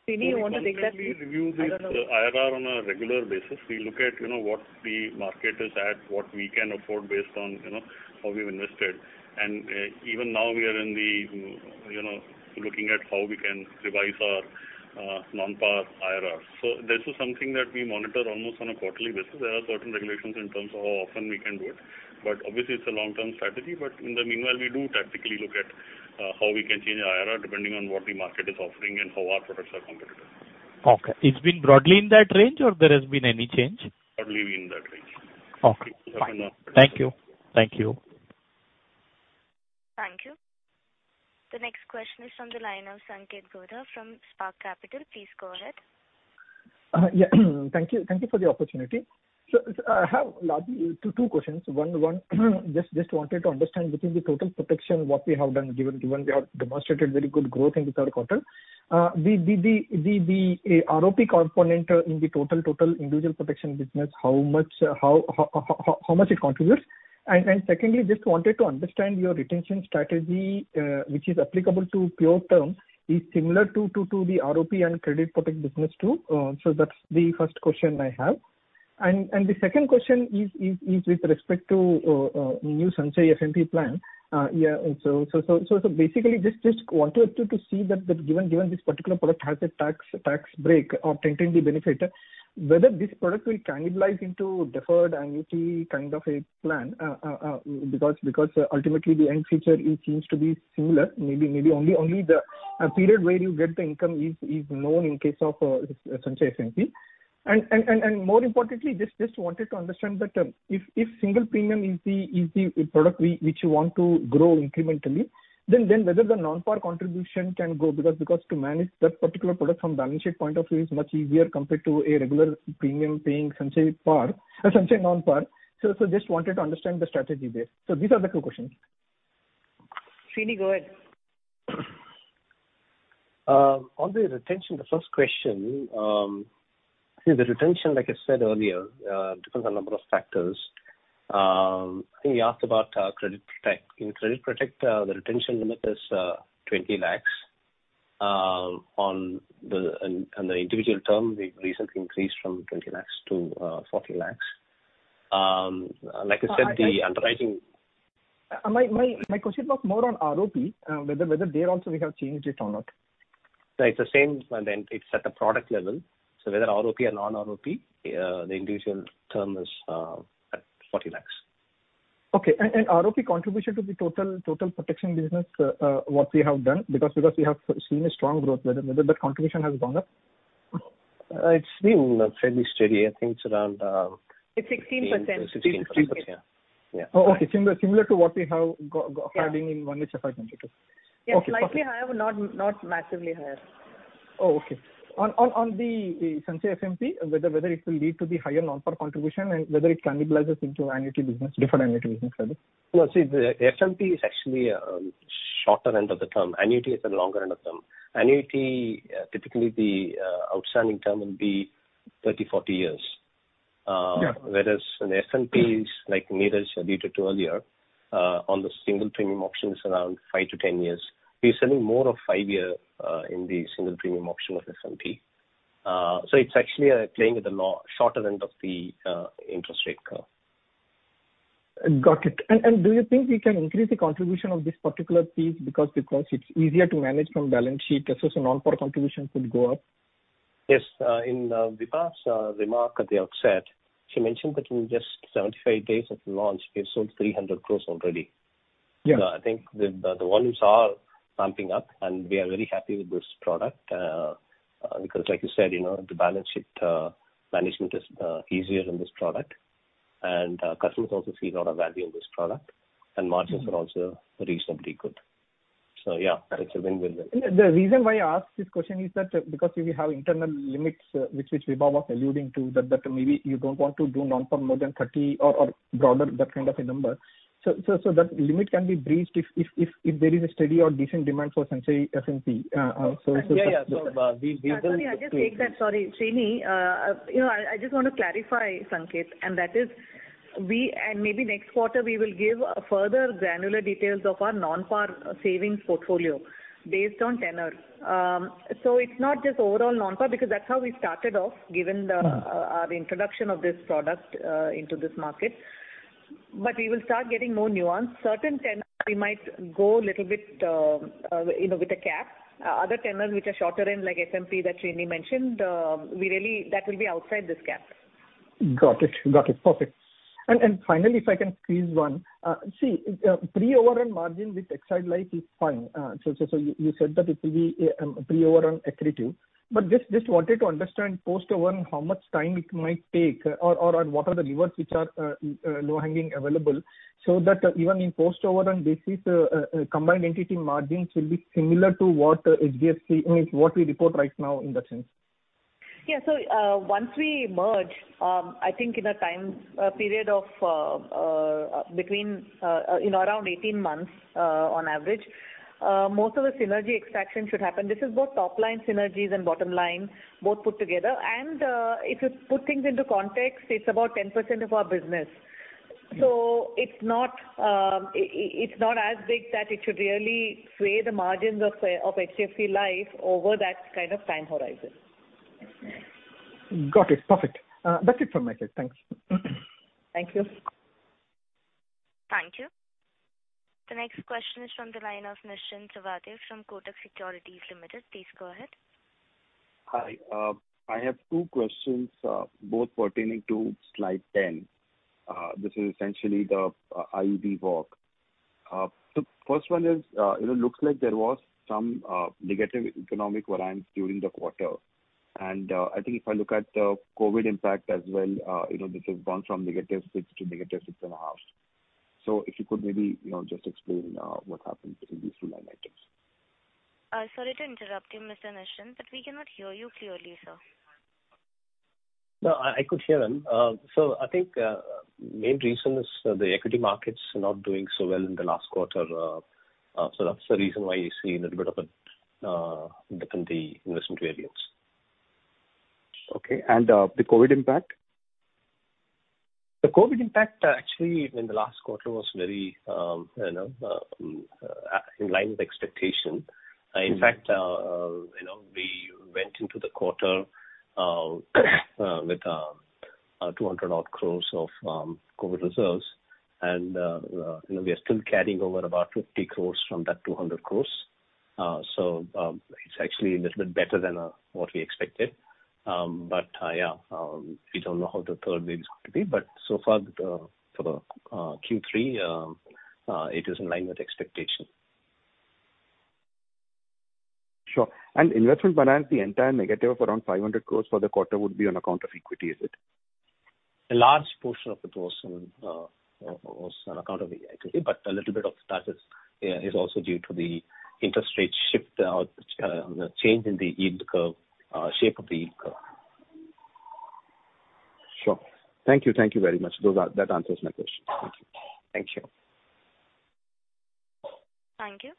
Srini, you want to take that? We constantly review the. I don't know. IRR on a regular basis. We look at, you know, what the market is at, what we can afford based on, you know, how we've invested. Even now we are, you know, looking at how we can revise our non-par IRRs. This is something that we monitor almost on a quarterly basis. There are certain regulations in terms of how often we can do it, but obviously it's a long-term strategy. In the meanwhile, we do tactically look at how we can change IRR depending on what the market is offering and how our products are competitive. Okay. Has it been broadly in that range or has there been any change? Broadly in that range. Okay. Fine. Thank you. Thank you. Thank you. The next question is from the line of Sanket Godha from Spark Capital. Please go ahead. Thank you. Thank you for the opportunity. I have two questions. One, just wanted to understand within the total protection what we have done, given we have demonstrated very good growth in the third quarter. The ROP component in the total individual protection business, how much it contributes? Secondly, just wanted to understand your retention strategy, which is applicable to pure term is similar to the ROP and Credit Protect business too. That's the first question I have. The second question is with respect to new Sanchay FMP plan. Basically just wanted to see that given this particular product has a tax break or 10(10D) benefit, whether this product will cannibalize into deferred annuity kind of a plan, because ultimately the end feature it seems to be similar. Maybe only the period where you get the income is known in case of Sanchay FMP. More importantly, just wanted to understand that if single premium is the product which you want to grow incrementally, then whether the non-par contribution can grow because to manage that particular product from balance sheet point of view is much easier compared to a regular premium paying Sanchay Par, Sanchay non-par. Just wanted to understand the strategy there. These are the two questions. Srini, go ahead. On the retention, the first question, I think the retention, like I said earlier, depends on number of factors. I think you asked about Credit Protect. In Credit Protect, the retention limit is 20 lakhs. In the individual term, we've recently increased from 20 lakhs to 40 lakhs. Like I said, the underwriting. My question was more on ROP, whether there also we have changed it or not? No, it's the same and then it's at the product level. Whether ROP or non-ROP, the individual term is at 40 lakhs. Okay. ROP contribution to the total protection business, what we have done because we have seen a strong growth, whether that contribution has gone up? It's been fairly steady. I think it's around. It's 16%. 16%. Yeah. Yeah. Oh, okay. Similar to what we have Yeah According to H1 FY 2022. Okay. Yes, slightly higher, but not massively higher. Oh, okay. On the Sanchay FMP, whether it will lead to the higher non-par contribution and whether it cannibalizes into annuity business, deferred annuity business rather. No. See, the FMP is actually shorter end of the term. Annuity is the longer end of term. Annuity typically the outstanding term will be 30, 40 years. Yeah. Whereas an FMP is like Neeraj alluded to earlier, on the single premium option is around five-10 years. We're selling more of five-year in the single premium option of FMP. It's actually playing at the shorter end of the interest rate curve. Got it. Do you think we can increase the contribution of this particular piece because it's easier to manage from balance sheet versus a non-par contribution could go up? Yes. In Vibha's remark at the outset, she mentioned that in just 75 days of launch we have sold 300 crore already. Yeah. I think the volumes are ramping up and we are very happy with this product. Because like you said, you know, the balance sheet management is easier in this product and customers also see a lot of value in this product, and margins are also reasonably good. Yeah, it's a win-win. The reason why I ask this question is that because we have internal limits which Vibha was alluding to that maybe you don't want to do non-par more than 30 or broader that kind of a number. That limit can be breached if there is a steady or decent demand for Sanchay FMP. So. Yeah, yeah. We will- Vibha, can I just take that? Sorry, Srini. You know, I just want to clarify, Sanket, and that is we and maybe next quarter we will give further granular details of our non-par savings portfolio based on tenure. So it's not just overall non-par because that's how we started off given the- Uh-huh. Our introduction of this product into this market. We will start getting more nuance. Certain tenures we might go a little bit, you know, with a cap. Other tenures which are shorter in like FMP that Srini mentioned, we really, that will be outside this cap. Got it. Perfect. Finally, if I can squeeze one. Pre-overrun margin with Exide Life is fine. So you said that it will be pre-overrun accretive. Just wanted to understand post-overrun how much time it might take or and what are the levers which are low-hanging available so that even in post-overrun basis, combined entity margins will be similar to what HDFC, I mean, what we report right now in that sense. Yeah. Once we merge, I think in a time period of between, you know, around 18 months, on average, most of the synergy extraction should happen. This is both top line synergies and bottom line both put together. If you put things into context, it's about 10% of our business. It's not as big that it should really sway the margins of HDFC Life over that kind of time horizon. Got it. Perfect. That's it from my side. Thanks. Thank you. Thank you. The next question is from the line of Nischint Chawathe from Kotak Securities - Institutional Equities. Please go ahead. Hi. I have two questions, both pertaining to slide 10. This is essentially the IEV work. The first one is, you know, looks like there was some negative economic variance during the quarter. I think if I look at the COVID impact as well, you know, this has gone from -6% to -6.5%. If you could maybe, you know, just explain what happened between these two line items. Sorry to interrupt you, Mr. Nischint, but we cannot hear you clearly, sir. No, I could hear them. I think main reason is the equity market's not doing so well in the last quarter. That's the reason why you see a little bit of a dip in the investment variance. Okay. The COVID impact? The COVID impact, actually in the last quarter was very, you know, in line with expectation. In fact, you know, we went into the quarter with 200-odd crore of COVID reserves and, you know, we are still carrying over about 50 crore from that 200 crore. It's actually a little bit better than what we expected. Yeah, we don't know how the third wave is going to be. So far for the Q3, it is in line with expectation. Sure. Investment balance, the entire negative of around 500 crore for the quarter would be on account of equity, is it? A large portion of it was on account of the equity, but a little bit of that is also due to the interest rate shift, change in the yield curve, shape of the yield curve. Sure. Thank you. Thank you very much. That answers my question. Thank you. Thank you. Thank you.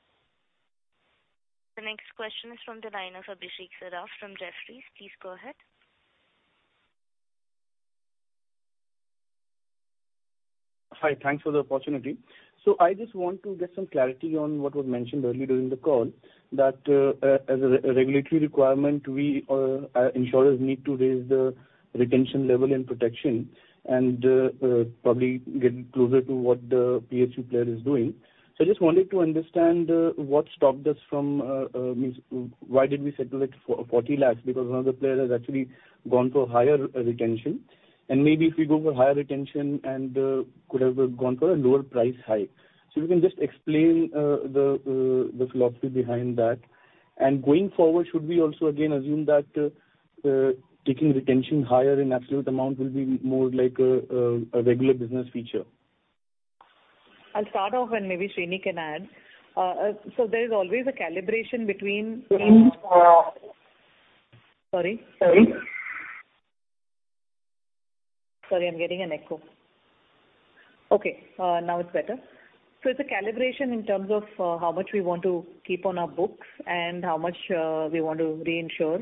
The next question is from the line of Abhishek Saraf from Jefferies. Please go ahead. Hi, thanks for the opportunity. I just want to get some clarity on what was mentioned earlier during the call that, as a regulatory requirement, we insurers need to raise the retention level and protection and probably get closer to what the PHU player is doing. I just wanted to understand, I mean, why did we settle it 40 lakh because one of the players has actually gone for higher retention. Maybe if we go for higher retention and could have gone for a lower price hike. If you can just explain the philosophy behind that. Going forward, should we also again assume that taking retention higher in absolute amount will be more like a regular business feature? I'll start off and maybe Srini can add. There is always a calibration in terms of how much we want to keep on our books and how much we want to reinsure.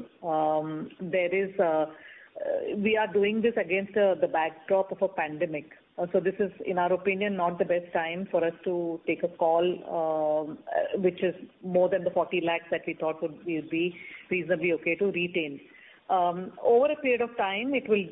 We are doing this against the backdrop of a pandemic. This is, in our opinion, not the best time for us to take a call which is more than the 40 lakh that we thought would be reasonably okay to retain. Over a period of time, it will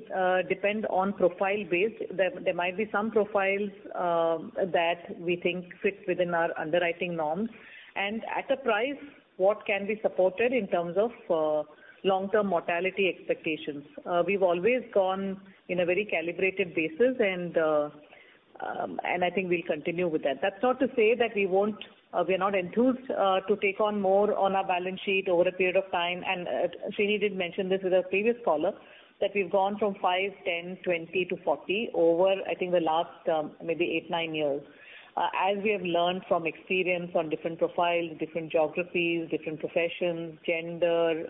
depend on profile base. There might be some profiles that we think fit within our underwriting norms and at a price that can be supported in terms of long-term mortality expectations. We've always gone in a very calibrated basis and I think we'll continue with that. That's not to say that we won't, we are not enthused to take on more on our balance sheet over a period of time. Srini did mention this with our previous caller that we've gone from five, 10, 20 to 40 over, I think the last, maybe eight, nine years. As we have learned from experience on different profiles, different geographies, different professions, gender,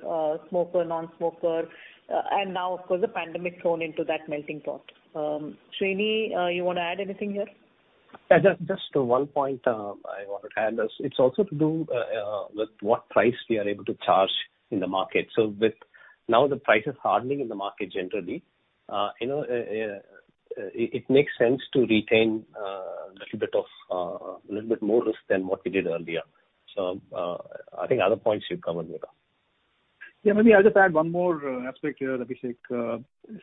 smoker, non-smoker, and now of course the pandemic thrown into that melting pot. Srini, you wanna add anything here? Yeah, just one point I wanted to add is it's also to do with what price we are able to charge in the market. With now the price is hardening in the market generally, it makes sense to retain a little bit more risk than what we did earlier. I think other points you've covered Rupa. Yeah, maybe I'll just add one more aspect here, Abhishek.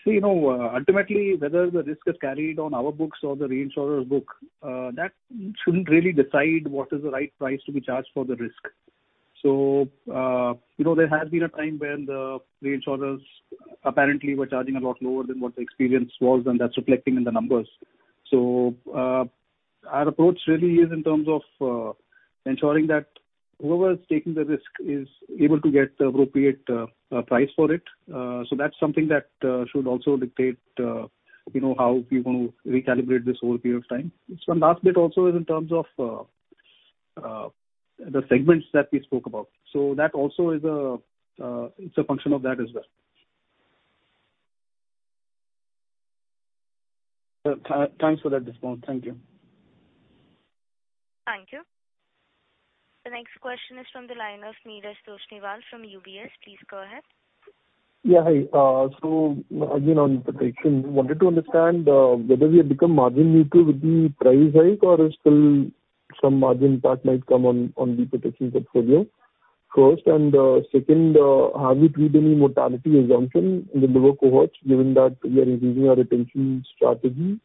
You know, ultimately whether the risk is carried on our books or the reinsurer's book, that shouldn't really decide what is the right price to be charged for the risk. You know, there has been a time when the reinsurers apparently were charging a lot lower than what the experience was, and that's reflecting in the numbers. Our approach really is in terms of ensuring that whoever is taking the risk is able to get the appropriate price for it. That's something that should also dictate, you know, how we want to recalibrate this whole period of time. One last bit also is in terms of The segments that we spoke about. That also is a, it's a function of that as well. Thanks for that response. Thank you. Thank you. The next question is from the line of Neeraj Toshniwal from UBS. Please go ahead. Yeah, hi. So again on protection, wanted to understand whether we have become margin neutral with the price hike or is still some margin impact might come on the protection portfolio first. Second, have you tweaked any mortality assumption in the lower cohorts given that we are increasing our retention strategy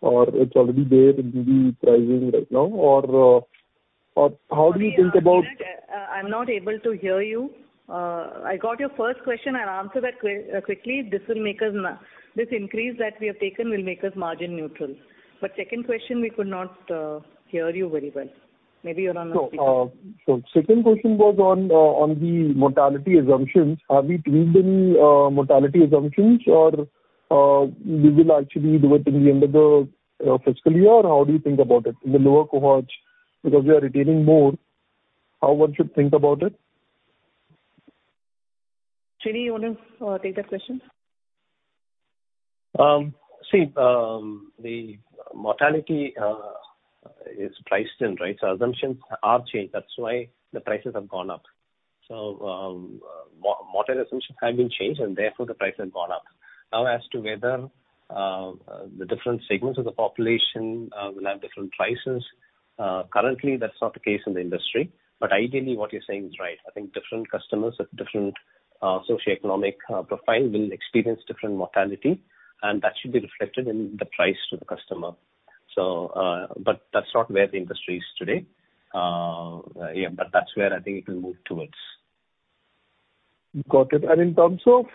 or it's already there in the pricing right now? Or how do you think about- I'm not able to hear you. I got your first question. I'll answer that quickly. This increase that we have taken will make us margin neutral. Second question, we could not hear you very well. Maybe you're on speaker. Second question was on the mortality assumptions. Have we tweaked any mortality assumptions or we will actually do it in the end of the fiscal year? Or how do you think about it in the lower cohorts? Because we are retaining more, how one should think about it. Srini, you want to take that question? See, the mortality is priced in, right? Assumptions are changed. That's why the prices have gone up. Mortality assumptions have been changed, and therefore the price has gone up. Now, as to whether the different segments of the population will have different prices, currently that's not the case in the industry. Ideally what you're saying is right. I think different customers with different socioeconomic profile will experience different mortality, and that should be reflected in the price to the customer. But that's not where the industry is today. Yeah, but that's where I think it will move towards. Got it. In terms of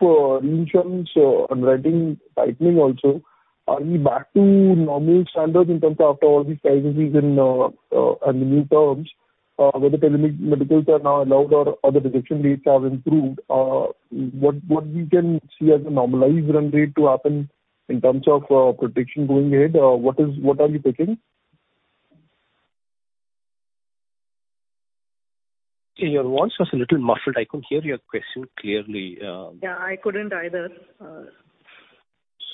insurance underwriting tightening also, are you back to normal standards in terms of after all these price hikes in and the new terms, whether pandemic medicals are now allowed or the rejection rates have improved. What we can see as a normalized run rate to happen in terms of protection going ahead? What are you thinking? Your voice was a little muffled. I couldn't hear your question clearly. Yeah, I couldn't either.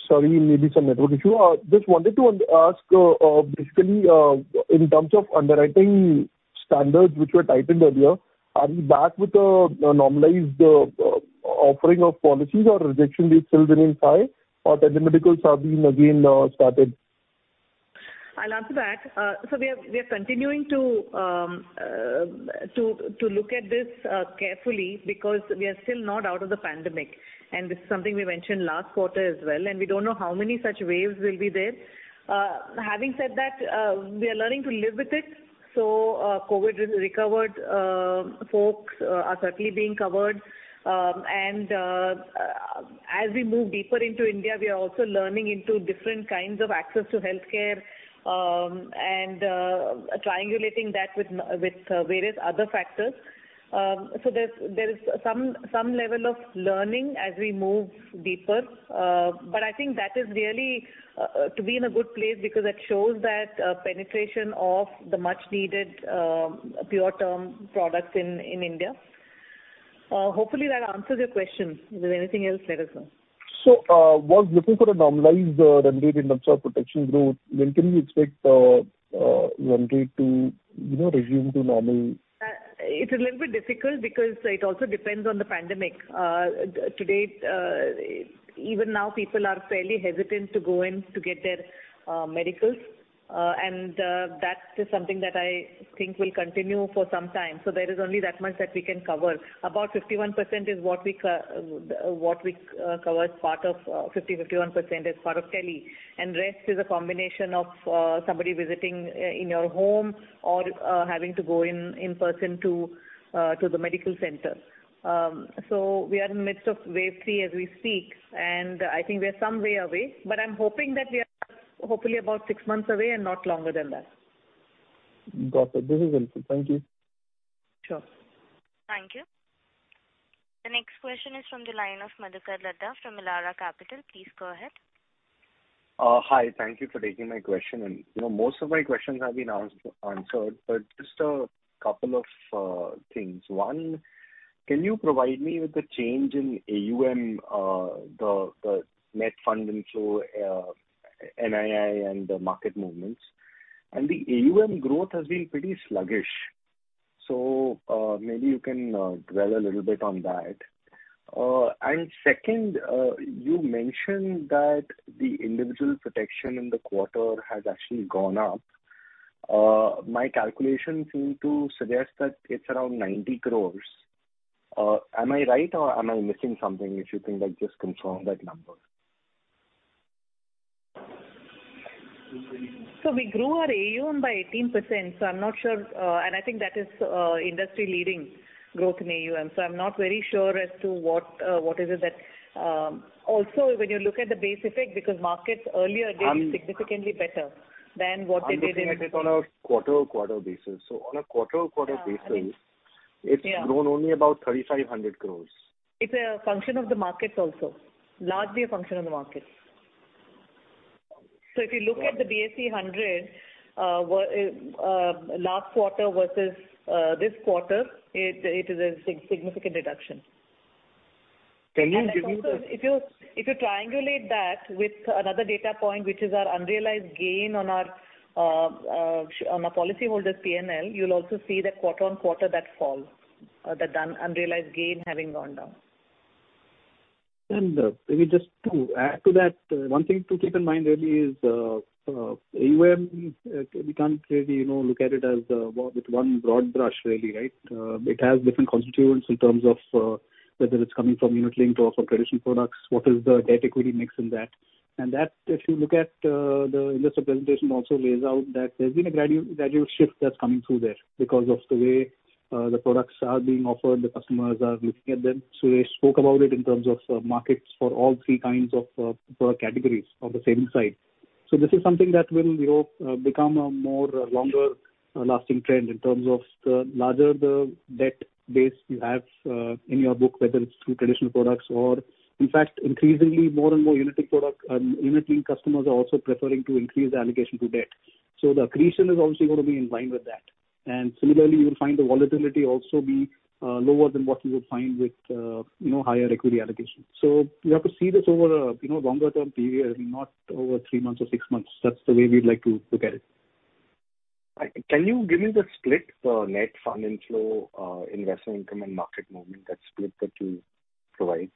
Sorry, maybe some network issue. Just wanted to un-ask, basically, in terms of underwriting standards which were tightened earlier, are you back with a normalized, offering of policies or rejection rates still remain high or the medicals are being again, started? I'll answer that. We are continuing to look at this carefully because we are still not out of the pandemic, and this is something we mentioned last quarter as well, and we don't know how many such waves will be there. Having said that, we are learning to live with it. COVID-recovered folks are certainly being covered. As we move deeper into India, we are also learning into different kinds of access to healthcare, triangulating that with various other factors. There is some level of learning as we move deeper. I think that is really to be in a good place because it shows that penetration of the much needed pure term products in India. Hopefully that answers your question. If there's anything else, let us know. I was looking for a normalized run rate in terms of protection growth. When can we expect run rate to, you know, resume to normal? It's a little bit difficult because it also depends on the pandemic. To date, even now, people are fairly hesitant to go in to get their medicals. That is something that I think will continue for some time. There is only that much that we can cover. About 51% is what we cover as part of 51% is part of tele. Rest is a combination of somebody visiting in your home or having to go in person to the medical center. We are in the midst of wave three as we speak, and I think we are some way away, but I'm hoping that we are hopefully about six months away and not longer than that. Got it. This is helpful. Thank you. Sure. Thank you. The next question is from the line of Madhukar Ladha from Elara Securities. Please go ahead. Hi. Thank you for taking my question. You know, most of my questions have been answered, but just a couple of things. One, can you provide me with the change in AUM, the net funding flow, NII and the market movements? The AUM growth has been pretty sluggish, so maybe you can dwell a little bit on that. Second, you mentioned that the individual protection in the quarter has actually gone up. My calculations seem to suggest that it's around 90 crore. Am I right or am I missing something? If you can, like, just confirm that number. We grew our AUM by 18%, so I'm not sure, and I think that is industry-leading growth in AUM. I'm not very sure as to what is it that. Also, when you look at the base effect because markets earlier did significantly better than what they did in- I'm looking at it on a quarter-over-quarter basis. Yeah. It's grown only about 3,500 crore. It's a function of the markets also, largely a function of the markets. If you look at the BSE 100, last quarter versus this quarter, it is a significant reduction. Can you give me the- Also, if you triangulate that with another data point, which is our unrealized gain on our policyholders PNL, you'll also see that quarter-on-quarter that falls, the unrealized gain having gone down. Maybe just to add to that, one thing to keep in mind really is AUM, we can't really, you know, look at it as with one broad brush really, right? It has different constituents in terms of whether it's coming from unit linked or from traditional products, what is the debt equity mix in that. That, if you look at the investor presentation also lays out that there's been a gradual shift that's coming through there because of the way the products are being offered, the customers are looking at them. They spoke about it in terms of markets for all three kinds of product categories on the savings side. This is something that will, we hope, become a more longer lasting trend in terms of the larger the debt base you have in your book, whether it's through traditional products or in fact, increasingly more and more unit linked product unit linked customers are also preferring to increase the allocation to debt. The accretion is obviously going to be in line with that. Similarly, you'll find the volatility also be lower than what you would find with you know, higher equity allocation. You have to see this over a you know, longer term period, not over three months or six months. That's the way we'd like to look at it. Can you give me the split for net financial investment income and market movement, that split that you provide?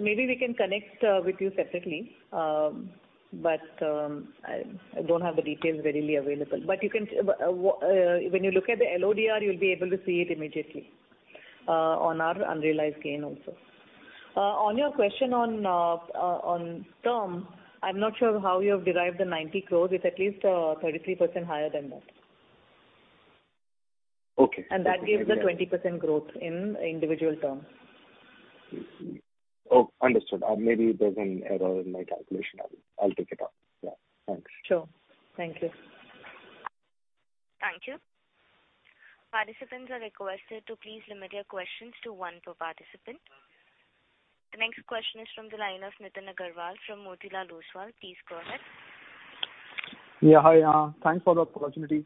Maybe we can connect with you separately. I don't have the details readily available. You can, when you look at the LODR, you'll be able to see it immediately on our unrealized gain also. On your question on term, I'm not sure how you have derived the 90 crores. It's at least 33% higher than that. Okay. That gives the 20% growth in individual term. Oh, understood. Maybe there's an error in my calculation. I'll take it off. Yeah. Thanks. Sure. Thank you. Thank you. Participants are requested to please limit your questions to one per participant. The next question is from the line of Nitin Aggarwal from Motilal Oswal. Please go ahead. Yeah. Hi. Thanks for the opportunity.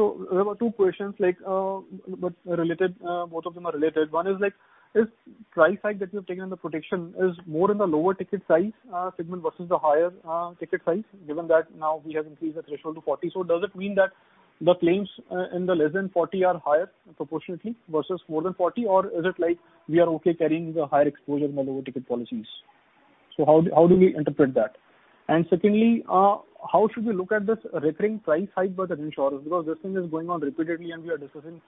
I have two questions like, but related, both of them are related. One is like this price hike that you've taken on the protection is more in the lower ticket size, segment versus the higher, ticket size, given that now we have increased the threshold to 40. Does it mean that the claims in the less than 40 are higher proportionately versus more than 40? Or is it like we are okay carrying the higher exposure in the lower ticket policies? How do we interpret that? Secondly, how should we look at this recurring price hike by the insurers? Because this thing is going on repeatedly and we are discussing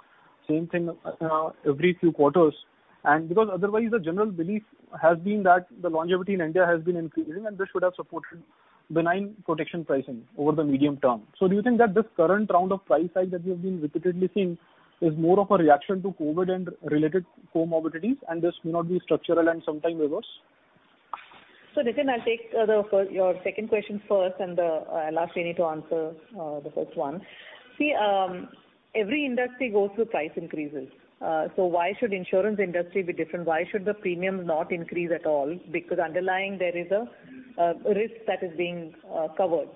same thing, every few quarters. Because otherwise the general belief has been that the longevity in India has been increasing and this should have supported benign protection pricing over the medium term. Do you think that this current round of price hike that we have been repeatedly seeing is more of a reaction to COVID and related comorbidities, and this may not be structural and sometimes reverse? Nithin, I'll take your second question first and I'll ask Srini to answer the first one. See, every industry goes through price increases. Why should insurance industry be different? Why should the premium not increase at all? Because underlying there is a risk that is being covered.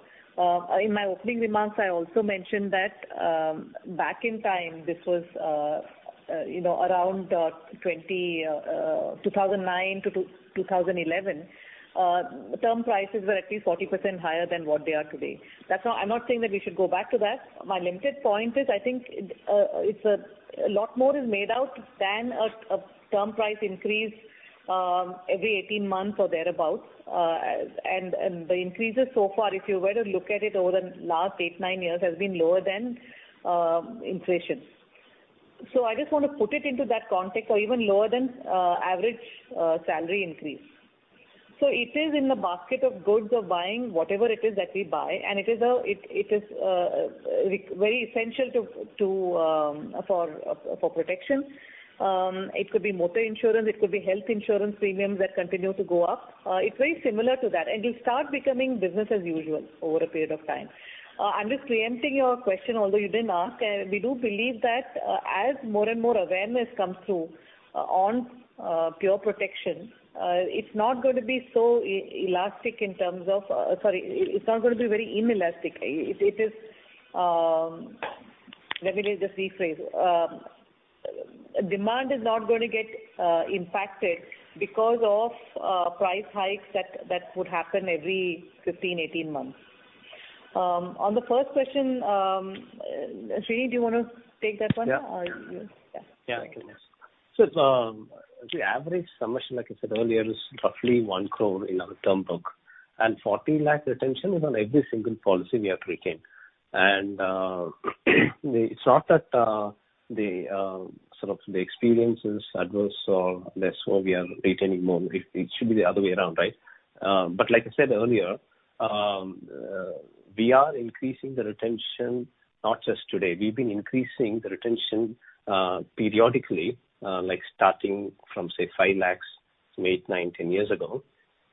In my opening remarks, I also mentioned that back in time, this was around 2009 to 2011, term prices were at least 40% higher than what they are today. That's not. I'm not saying that we should go back to that. My limited point is, I think it's a lot more is made out of a term price increase every 18 months or thereabout. The increases so far, if you were to look at it over the last eight to nine years, has been lower than inflation. I just want to put it into that context or even lower than average salary increase. It is in the basket of goods of buying whatever it is that we buy. It is very essential to for protection. It could be motor insurance, it could be health insurance premiums that continue to go up. It's very similar to that, and it'll start becoming business as usual over a period of time. I'm just preempting your question, although you didn't ask. We do believe that as more and more awareness comes through on pure protection, Sorry, it's not going to be very inelastic. It is, let me just rephrase. Demand is not going to get impacted because of price hikes that would happen every 15, 18 months. On the first question, Srini, do you want to take that one? Yeah. You? Yeah. Yeah, I can. The average summation, like I said earlier, is roughly 1 crore in our term book and 40 lakhs retention is on every single policy we have to retain. It's not that the sort of the experience is adverse or less, so we are retaining more. It should be the other way around, right? Like I said earlier, we are increasing the retention, not just today. We've been increasing the retention, periodically, like starting from say 5 lakhs 8, 9, 10 years ago.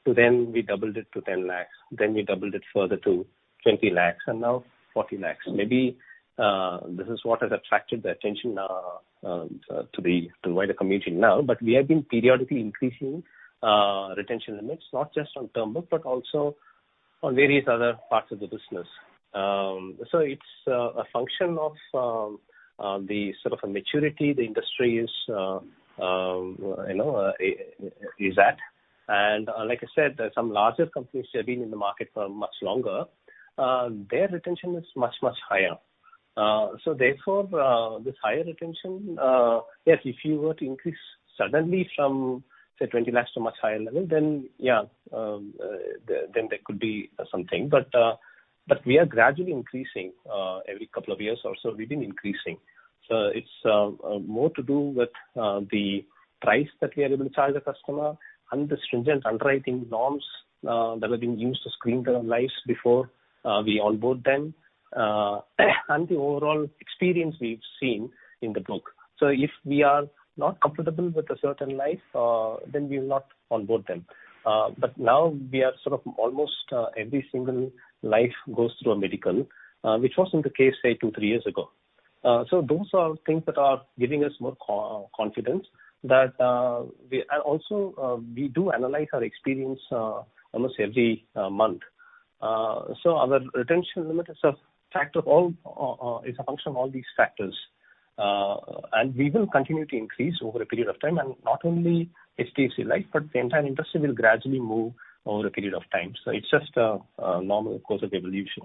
Then we doubled it to 10 lakhs, then we doubled it further to INR 20 lakhs. 20 lakhs and now 40 lakhs. Maybe this is what has attracted the attention to the wider community now. We have been periodically increasing retention limits, not just on term book but also on various other parts of the business. So it's a function of the sort of a maturity the industry is, you know, is at. Like I said, there are some larger companies who have been in the market for much longer, their retention is much higher. So therefore, this higher retention, yes, if you were to increase suddenly from, say, 20 lakhs to a much higher level, then yeah, then there could be something. We are gradually increasing. Every couple of years or so we've been increasing. It's more to do with the price that we are able to charge the customer and the stringent underwriting norms that have been used to screen their lives before we onboard them and the overall experience we've seen in the book. If we are not comfortable with a certain life, then we will not onboard them. Now we are sort of almost every single life goes through a medical, which wasn't the case say two to three years ago. Those are things that are giving us more confidence. Also, we do analyze our experience almost every month. Our retention limit is a function of all these factors. We will continue to increase over a period of time. not only HDFC Life, but the entire industry will gradually move over a period of time. It's just a normal course of evolution.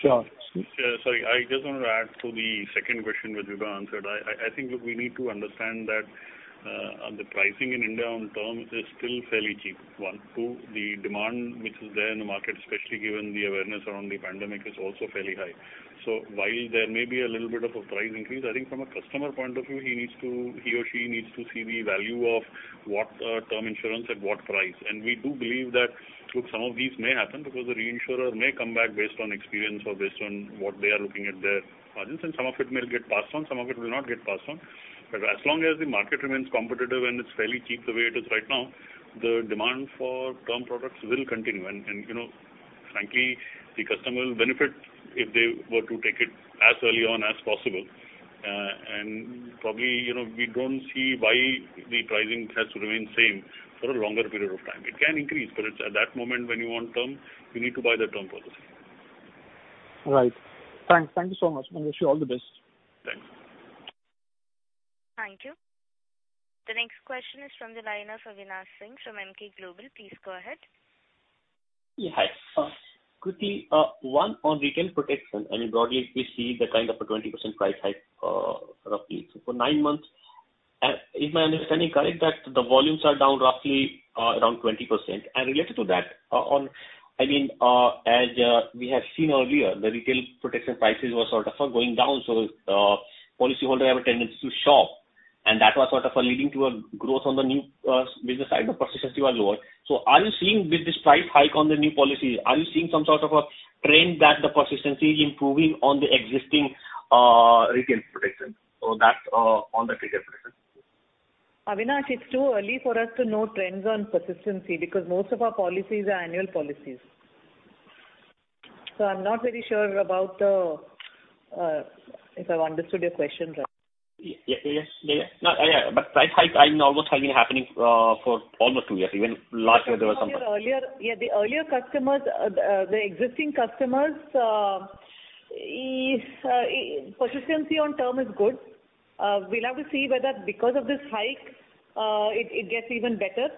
Sure. Yeah, sorry, I just wanted to add to the second question which Vibha answered. I think we need to understand that the pricing in India on term is still fairly cheap, one. Two, the demand which is there in the market, especially given the awareness around the pandemic, is also fairly high. So while there may be a little bit of a price increase, I think from a customer point of view, he or she needs to see the value of what term insurance at what price. We do believe that through some of these may happen because the reinsurer may come back based on experience or based on what they are looking at their margins, and some of it may get passed on, some of it will not get passed on. As long as the market remains competitive and it's fairly cheap the way it is right now, the demand for term products will continue. You know, frankly, the customer will benefit if they were to take it as early on as possible. Probably, you know, we don't see why the pricing has to remain same for a longer period of time. It can increase, but it's at that moment when you want term, you need to buy the term policy. All right. Thanks. Thank you so much. I wish you all the best. Thanks. Thank you. The next question is from the line of Avinash Singh from Emkay Global. Please go ahead. Yeah, hi. Quickly, one on retail protection. I mean, broadly we see the kind of a 20% price hike, roughly for nine months. Is my understanding correct that the volumes are down roughly around 20%? Related to that, on I mean, as we have seen earlier, the retail protection prices were sort of going down. Policyholder have a tendency to shop, and that was sort of leading to a growth on the new business side, but persistency was lower. Are you seeing with this price hike on the new policies some sort of a trend that the persistency is improving on the existing retail protection? That's on the retail protection. Avinash, it's too early for us to know trends on persistency because most of our policies are annual policies. I'm not very sure about if I've understood your question right. Yes. Yeah, yeah. No, yeah, but price hike, I mean, almost has been happening for almost two years. Even last year there was some. Earlier, yeah, the earlier customers, the existing customers, persistency on term is good. We'll have to see whether because of this hike, it gets even better.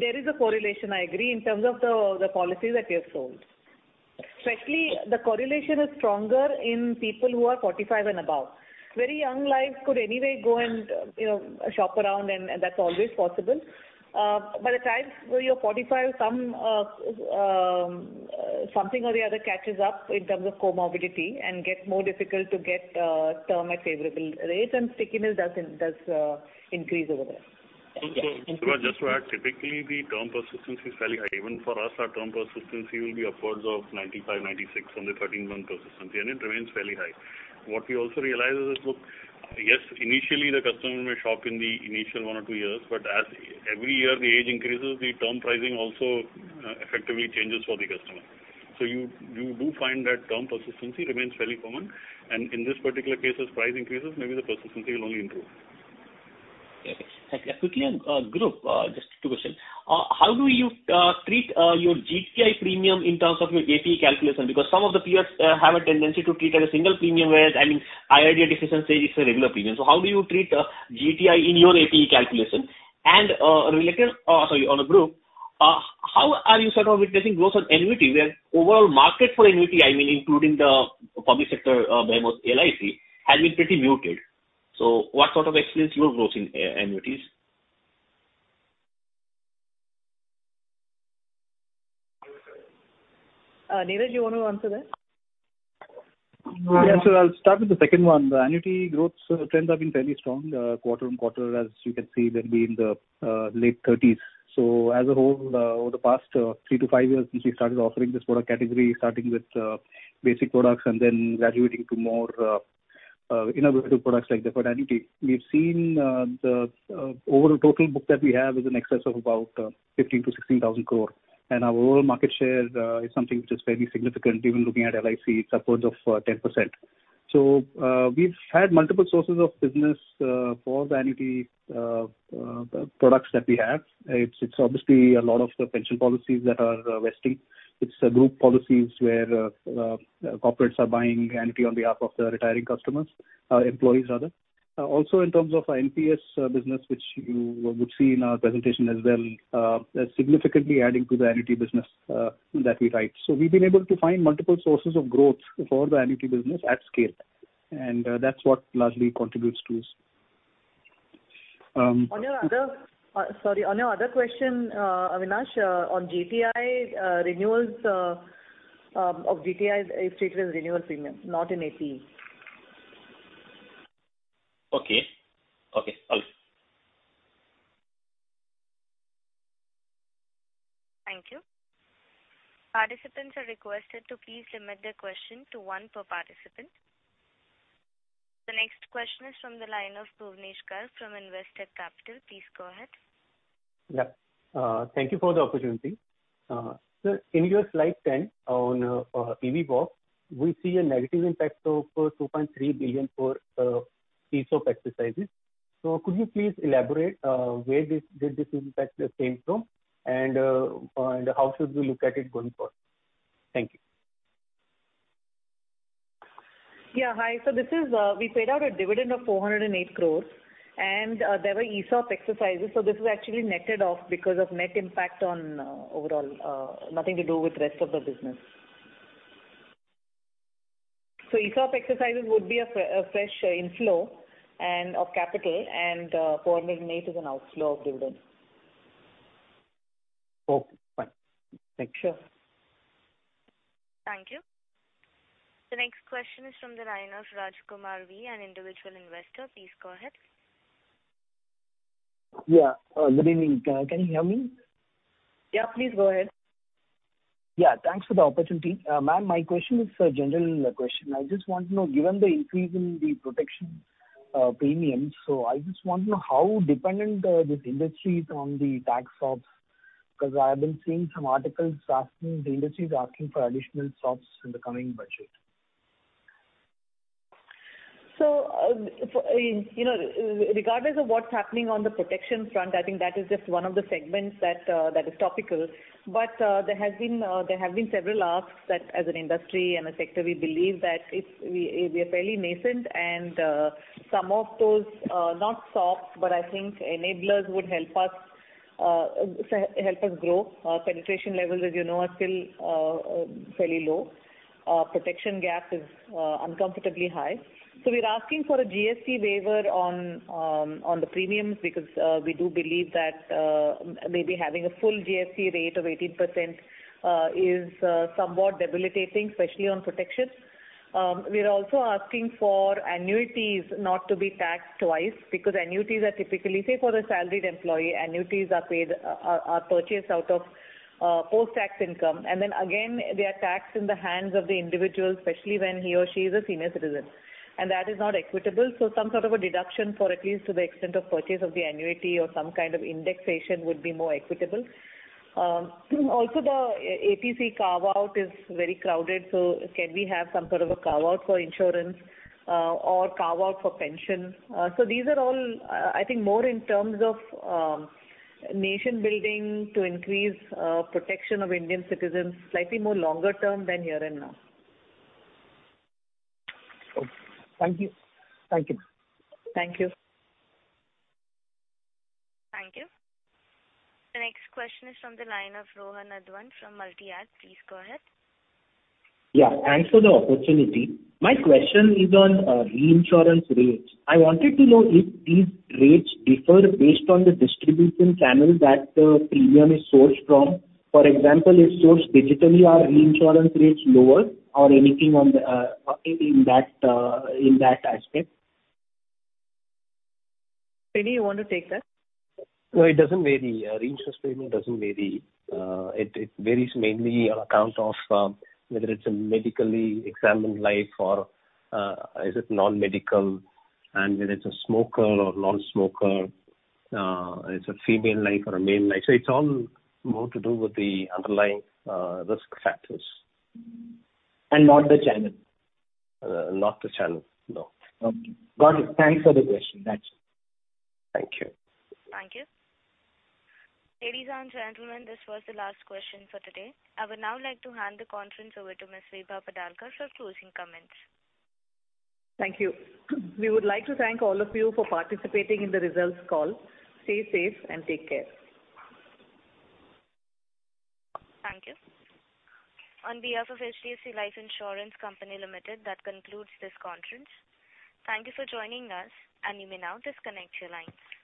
There is a correlation, I agree, in terms of the policies that we have sold. Especially the correlation is stronger in people who are 45 and above. Very young lives could anyway go and, you know, shop around and that's always possible. By the time you're 45, something or the other catches up in terms of comorbidity and gets more difficult to get term at favorable rates, and stickiness does increase over there. Yes. Just to add, typically the term persistency is fairly high. Even for us, our term persistency will be upwards of 95, 96 on the 13-month persistency, and it remains fairly high. What we also realize is, look, yes, initially the customer may shop in the initial one or two years, but as every year the age increases, the term pricing also effectively changes for the customer. You do find that term persistency remains fairly common. In this particular case, as price increases, maybe the persistency will only improve. Okay. Thank you. Quickly on group, just two questions. How do you treat your GTI premium in terms of your APE calculation? Because some of the peers have a tendency to treat it as a single premium, whereas, I mean, IID decision says it's a regular premium. How do you treat GTI in your APE calculation? Related, sorry, on the group, how are you sort of witnessing growth on annuity where overall market for annuity, I mean, including the public sector, despite LIC has been pretty muted. What sort of experience in your growth in annuities? Niraj, you wanna answer that? Yeah. I'll start with the second one. The annuity growth trends have been fairly strong, quarter-on-quarter, as you can see, they'll be in the late 30s%. As a whole, over the past 3-five years since we started offering this product category, starting with basic products and then graduating to more, Innovative products like the annuity. We've seen the overall total book that we have is in excess of about 15,000-16,000 crore, and our overall market share is something which is fairly significant. Even looking at LIC, it's upwards of 10%. We've had multiple sources of business for the annuity products that we have. It's obviously a lot of the pension policies that are vesting. It's group policies where corporates are buying annuity on behalf of their retiring customers, employees rather. Also in terms of NPS business, which you would see in our presentation as well, that's significantly adding to the annuity business that we write. We've been able to find multiple sources of growth for the annuity business at scale, and that's what largely contributes to this. Um- On your other question, Avinash, on GTI renewals, of GTI is stated as renewal premium, not in APE. Okay. Okay, all good. Thank you. Participants are requested to please limit their question to one per participant. The next question is from the line of Bhuvnesh Garg from Investec Capital. Please go ahead. Yeah. Thank you for the opportunity. In your slide 10 on EVOP, we see a negative impact of 2.3 billion for ESOP exercises. Could you please elaborate where this impact came from and how should we look at it going forward? Thank you. Yeah. Hi. This is we paid out a dividend of 408 crore and there were ESOP exercises, so this is actually netted off because of net impact on overall nothing to do with rest of the business. ESOP exercises would be a fresh inflow of capital and 408 crore is an outflow of dividend. Okay, fine. Thank you. Thank you. The next question is from the line of uncertain, an individual investor. Please go ahead. Yeah. Good evening. Can you hear me? Yeah, please go ahead. Yeah, thanks for the opportunity. Ma'am, my question is a general question. I just want to know, given the increase in the protection premiums, how dependent this industry is on the tax sops, because I have been seeing some articles about the industry asking for additional sops in the coming budget. I mean, you know, regardless of what's happening on the protection front, I think that is just one of the segments that is topical. There have been several asks that as an industry and a sector, we believe that we are fairly nascent and some of those not SOPs, but I think enablers would help us grow. Our penetration levels, as you know, are still fairly low. Our protection gap is uncomfortably high. We're asking for a GST waiver on the premiums because we do believe that maybe having a full GST rate of 18% is somewhat debilitating, especially on protection. We're also asking for annuities not to be taxed twice because annuities are typically, say, for a salaried employee, annuities are purchased out of post-tax income. Then again, they are taxed in the hands of the individual, especially when he or she is a senior citizen, and that is not equitable. Some sort of a deduction for at least to the extent of purchase of the annuity or some kind of indexation would be more equitable. Also the ATC carve-out is very crowded, so can we have some sort of a carve-out for insurance or carve-out for pension? These are all, I think more in terms of nation building to increase protection of Indian citizens, slightly more longer term than here and now. Okay. Thank you. Thank you, ma'am. Thank you. Thank you. The next question is from the line of Rohan Advani from Multi-Act. Please go ahead. Yeah, thanks for the opportunity. My question is on reinsurance rates. I wanted to know if these rates differ based on the distribution channel that the premium is sourced from. For example, if sourced digitally, are reinsurance rates lower or anything in that aspect? Srini, you want to take that? No, it doesn't vary. Reinsurance premium doesn't vary. It varies mainly on account of whether it's a medically examined life or non-medical and whether it's a smoker or non-smoker, it's a female life or a male life. It's all more to do with the underlying risk factors. Not the channel. Not the channel, no. Okay. Got it. Thanks for the question. That's it. Thank you. Thank you. Ladies and gentlemen, this was the last question for today. I would now like to hand the conference over to Ms. Vibha Padalkar for closing comments. Thank you. We would like to thank all of you for participating in the results call. Stay safe and take care. Thank you. On behalf of HDFC Life Insurance Company Limited, that concludes this conference. Thank you for joining us, and you may now disconnect your lines.